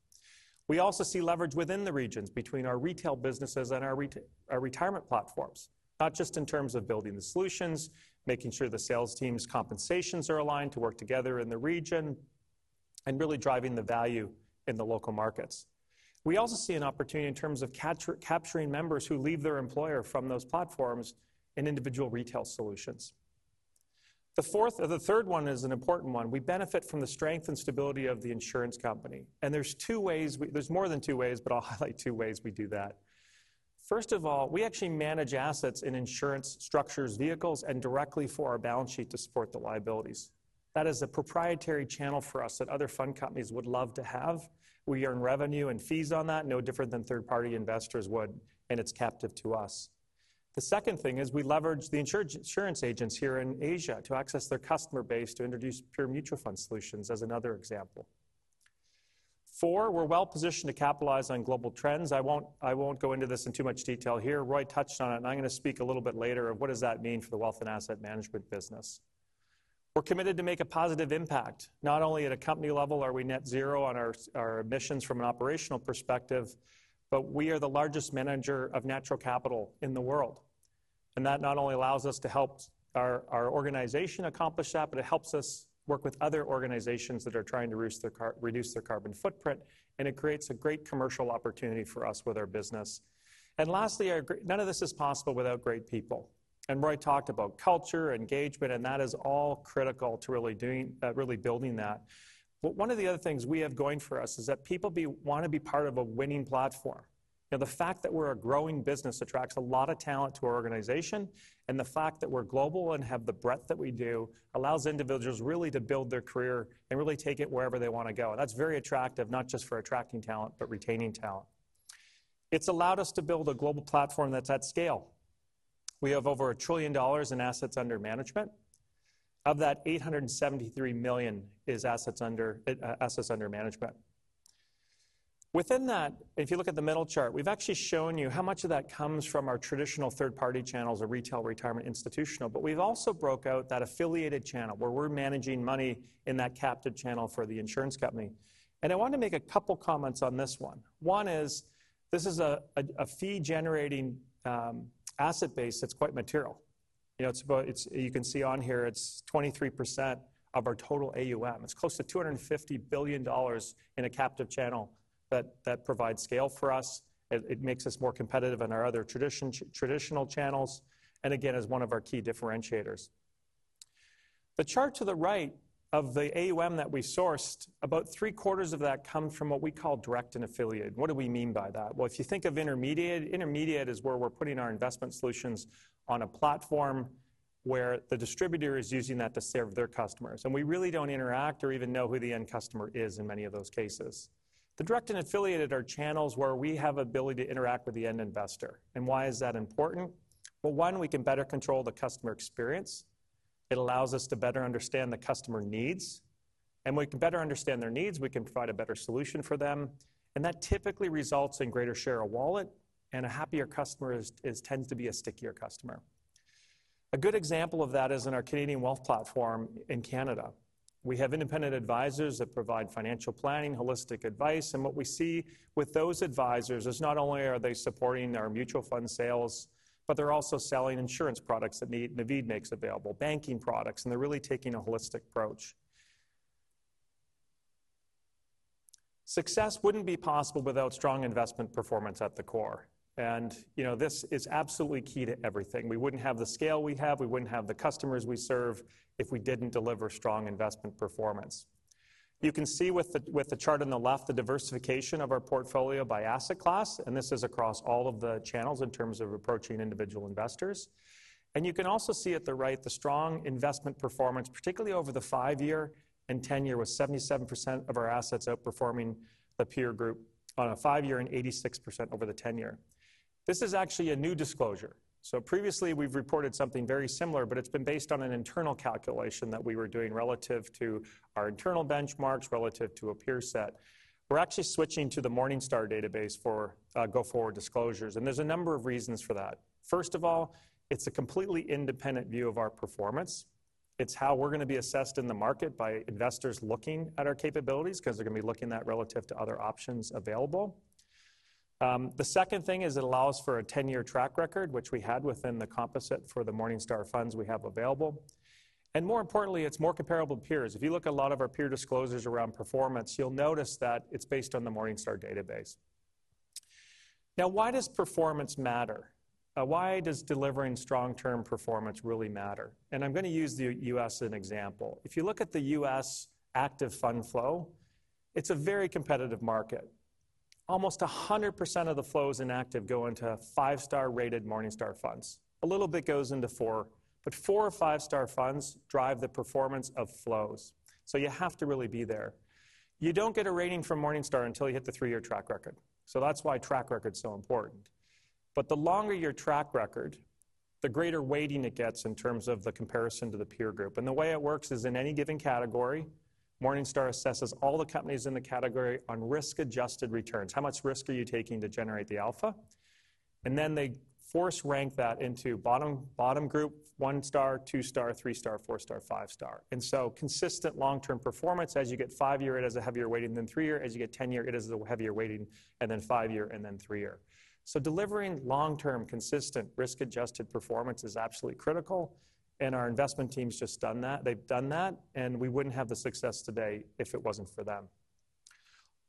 We also see leverage within the regions between our retail businesses and our retirement platforms, not just in terms of building the solutions, making sure the sales team's compensations are aligned to work together in the region, and really driving the value in the local markets. We also see an opportunity in terms of capture, capturing members who leave their employer from those platforms in individual retail solutions. The fourth, or the third one is an important one. We benefit from the strength and stability of the insurance company, and there's two ways we... There's more than two ways, but I'll highlight two ways we do that. First of all, we actually manage assets in insurance structures, vehicles, and directly for our balance sheet to support the liabilities. That is a proprietary channel for us that other fund companies would love to have. We earn revenue and fees on that, no different than third-party investors would, and it's captive to us. The second thing is we leverage the insurance agents here in Asia to access their customer base to introduce pure mutual fund solutions as another example. Four, we're well-positioned to capitalize on global trends. I won't, I won't go into this in too much detail here. Roy touched on it, and I'm gonna speak a little bit later of what does that mean for the wealth and asset management business. We're committed to make a positive impact, not only at a company level are we net zero on our, our emissions from an operational perspective, but we are the largest manager of natural capital in the world. And that not only allows us to help our, our organization accomplish that, but it helps us work with other organizations that are trying to reduce their carbon footprint, and it creates a great commercial opportunity for us with our business. And lastly, none of this is possible without great people. And Roy talked about culture, engagement, and that is all critical to really doing really building that. But one of the other things we have going for us is that people wanna be part of a winning platform. You know, the fact that we're a growing business attracts a lot of talent to our organization, and the fact that we're global and have the breadth that we do, allows individuals really to build their career and really take it wherever they wanna go. That's very attractive, not just for attracting talent, but retaining talent. It's allowed us to build a global platform that's at scale. We have over $1 trillion in assets under management. Of that, $873 billion is assets under management. Within that, if you look at the middle chart, we've actually shown you how much of that comes from our traditional third-party channels or retail retirement, institutional. But we've also broke out that affiliated channel, where we're managing money in that captive channel for the insurance company. And I want to make a couple comments on this one. One is, this is a, a, a fee-generating asset base that's quite material. You know, it's about, it's—you can see on here, it's 23% of our total AUM. It's close to $250 billion in a captive channel that provides scale for us. It makes us more competitive in our other traditional channels, and again, is one of our key differentiators. The chart to the right of the AUM that we sourced, about three-quarters of that come from what we call direct and affiliate. What do we mean by that? Well, if you think of intermediated, intermediated is where we're putting our investment solutions on a platform where the distributor is using that to serve their customers, and we really don't interact or even know who the end customer is in many of those cases. The direct and affiliated are channels where we have ability to interact with the end investor. Why is that important? Well, one, we can better control the customer experience. It allows us to better understand the customer needs, and when we can better understand their needs, we can provide a better solution for them, and that typically results in greater share of wallet, and a happier customer is tends to be a stickier customer. A good example of that is in our Canadian wealth platform in Canada. We have independent advisors that provide financial planning, holistic advice, and what we see with those advisors is not only are they supporting our mutual fund sales, but they're also selling insurance products that Naveed makes available, banking products, and they're really taking a holistic approach. Success wouldn't be possible without strong investment performance at the core, and, you know, this is absolutely key to everything. We wouldn't have the scale we have, we wouldn't have the customers we serve, if we didn't deliver strong investment performance. You can see with the chart on the left, the diversification of our portfolio by asset class, and this is across all of the channels in terms of approaching individual investors. And you can also see at the right, the strong investment performance, particularly over the 5-year and 10-year, with 77% of our assets outperforming the peer group on a 5-year and 86% over the 10-year. This is actually a new disclosure. So previously, we've reported something very similar, but it's been based on an internal calculation that we were doing relative to our internal benchmarks, relative to a peer set. We're actually switching to the Morningstar database for go-forward disclosures, and there's a number of reasons for that. First of all, it's a completely independent view of our performance. It's how we're gonna be assessed in the market by investors looking at our capabilities, 'cause they're gonna be looking at relative to other options available. The second thing is it allows for a 10-year track record, which we had within the composite for the Morningstar funds we have available. And more importantly, it's more comparable peers. If you look at a lot of our peer disclosures around performance, you'll notice that it's based on the Morningstar database. Now, why does performance matter? Why does delivering strong term performance really matter? And I'm gonna use the U.S. as an example. If you look at the U.S. active fund flow, it's a very competitive market. Almost 100% of the flows in active go into five-star rated Morningstar funds. A little bit goes into four, but four or five-star funds drive the performance of flows, so you have to really be there. You don't get a rating from Morningstar until you hit the 3-year track record, so that's why track record is so important. But the longer your track record, the greater weighting it gets in terms of the comparison to the peer group. And the way it works is in any given category, Morningstar assesses all the companies in the category on risk-adjusted returns. How much risk are you taking to generate the alpha? And then they force rank that into bottom, bottom group, one star, two star, three star, four star, five star. And so, consistent long-term performance, as you get 5-year, it has a heavier weighting than 3-year. As you get 10-year, it is a heavier weighting, and then 5-year, and then 3-year. So delivering long-term, consistent, risk-adjusted performance is absolutely critical, and our investment team's just done that. They've done that, and we wouldn't have the success today if it wasn't for them.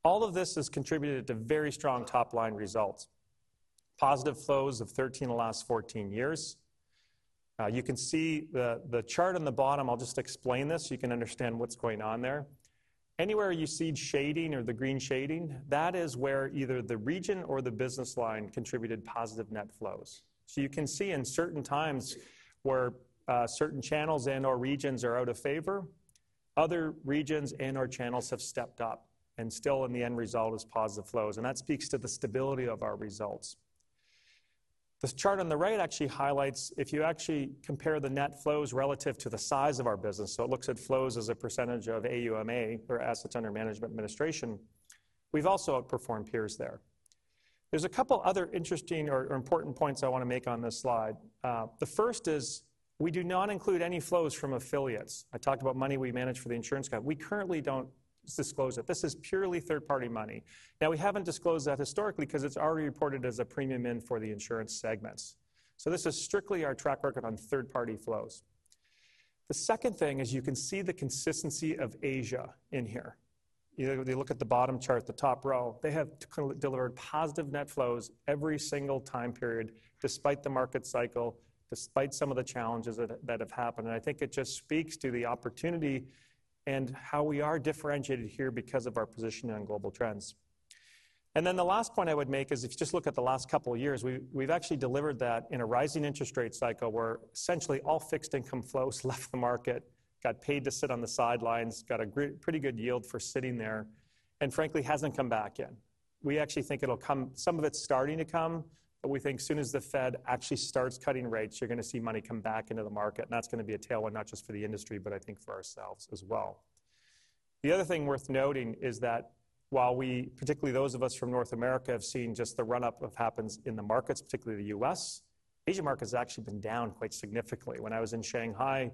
All of this has contributed to very strong top-line results. Positive flows of 13 of the last 14 years. You can see the, the chart on the bottom, I'll just explain this, so you can understand what's going on there. Anywhere you see shading or the green shading, that is where either the region or the business line contributed positive net flows. So you can see in certain times where certain channels and/or regions are out of favor, other regions and/or channels have stepped up, and still in the end result is positive flows, and that speaks to the stability of our results. This chart on the right actually highlights, if you actually compare the net flows relative to the size of our business, so it looks at flows as a percentage of AUMA or assets under management and administration, we've also outperformed peers there. There's a couple other interesting or important points I want to make on this slide. The first is, we do not include any flows from affiliates. I talked about money we manage for the insurance guy. We currently don't disclose it. This is purely third-party money. Now, we haven't disclosed that historically, 'cause it's already reported as a premium in for the insurance segments. So this is strictly our track record on third-party flows. The second thing is, you can see the consistency of Asia in here. You know, if you look at the bottom chart, the top row, they have delivered positive net flows every single time period, despite the market cycle, despite some of the challenges that have happened. And I think it just speaks to the opportunity and how we are differentiated here because of our position on global trends. Then the last point I would make is, if you just look at the last couple of years, we've actually delivered that in a rising interest rate cycle, where essentially all fixed income flows left the market, got paid to sit on the sidelines, got a pretty good yield for sitting there, and frankly, hasn't come back yet. We actually think it'll come. Some of it's starting to come, but we think as soon as the Fed actually starts cutting rates, you're gonna see money come back into the market, and that's gonna be a tailwind, not just for the industry, but I think for ourselves as well. The other thing worth noting is that while we, particularly those of us from North America, have seen just the run-up that happens in the markets, particularly the U.S., Asia market has actually been down quite significantly. When I was in Shanghai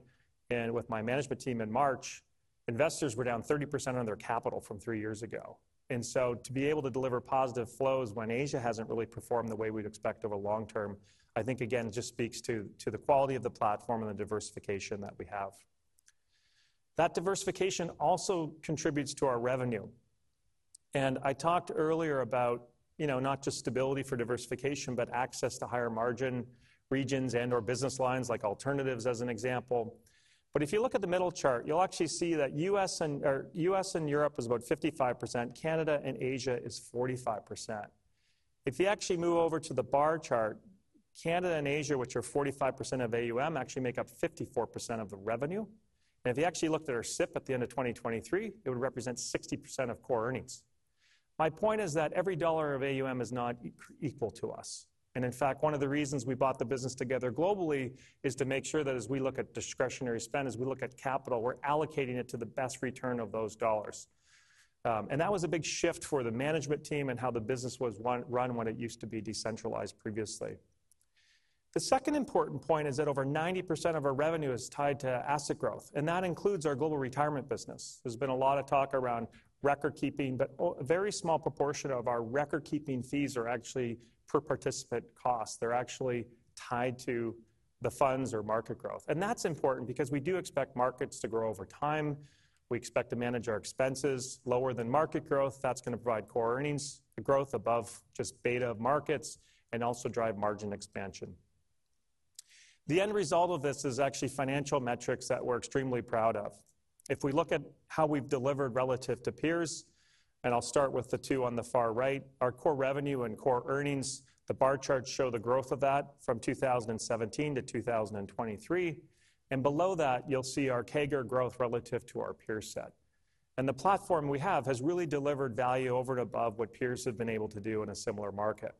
and with my management team in March, investors were down 30% on their capital from 3 years ago. And so to be able to deliver positive flows when Asia hasn't really performed the way we'd expect over long term, I think, again, it just speaks to, to the quality of the platform and the diversification that we have. That diversification also contributes to our revenue. And I talked earlier about, you know, not just stability for diversification, but access to higher margin regions and/or business lines like alternatives, as an example. But if you look at the middle chart, you'll actually see that U.S. and, or U.S. and Europe is about 55%, Canada and Asia is 45%. If you actually move over to the bar chart, Canada and Asia, which are 45% of AUM, actually make up 54% of the revenue. If you actually looked at our split at the end of 2023, it would represent 60% of core earnings. My point is that every dollar of AUM is not equal to us. And in fact, one of the reasons we bought the business together globally is to make sure that as we look at discretionary spend, as we look at capital, we're allocating it to the best return of those dollars. And that was a big shift for the management team and how the business was run when it used to be decentralized previously. The second important point is that over 90% of our revenue is tied to asset growth, and that includes our global retirement business. There's been a lot of talk around record-keeping, but a very small proportion of our record-keeping fees are actually per participant costs. They're actually tied to the funds or market growth. And that's important because we do expect markets to grow over time. We expect to manage our expenses lower than market growth. That's gonna provide core earnings growth above just beta markets and also drive margin expansion. The end result of this is actually financial metrics that we're extremely proud of. If we look at how we've delivered relative to peers, and I'll start with the two on the far right, our core revenue and core earnings, the bar charts show the growth of that from 2017 to 2023, and below that, you'll see our CAGR growth relative to our peer set. The platform we have has really delivered value over and above what peers have been able to do in a similar market.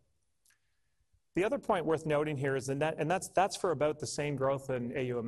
The other point worth noting here is the net... That's, that's for about the same growth in AUM.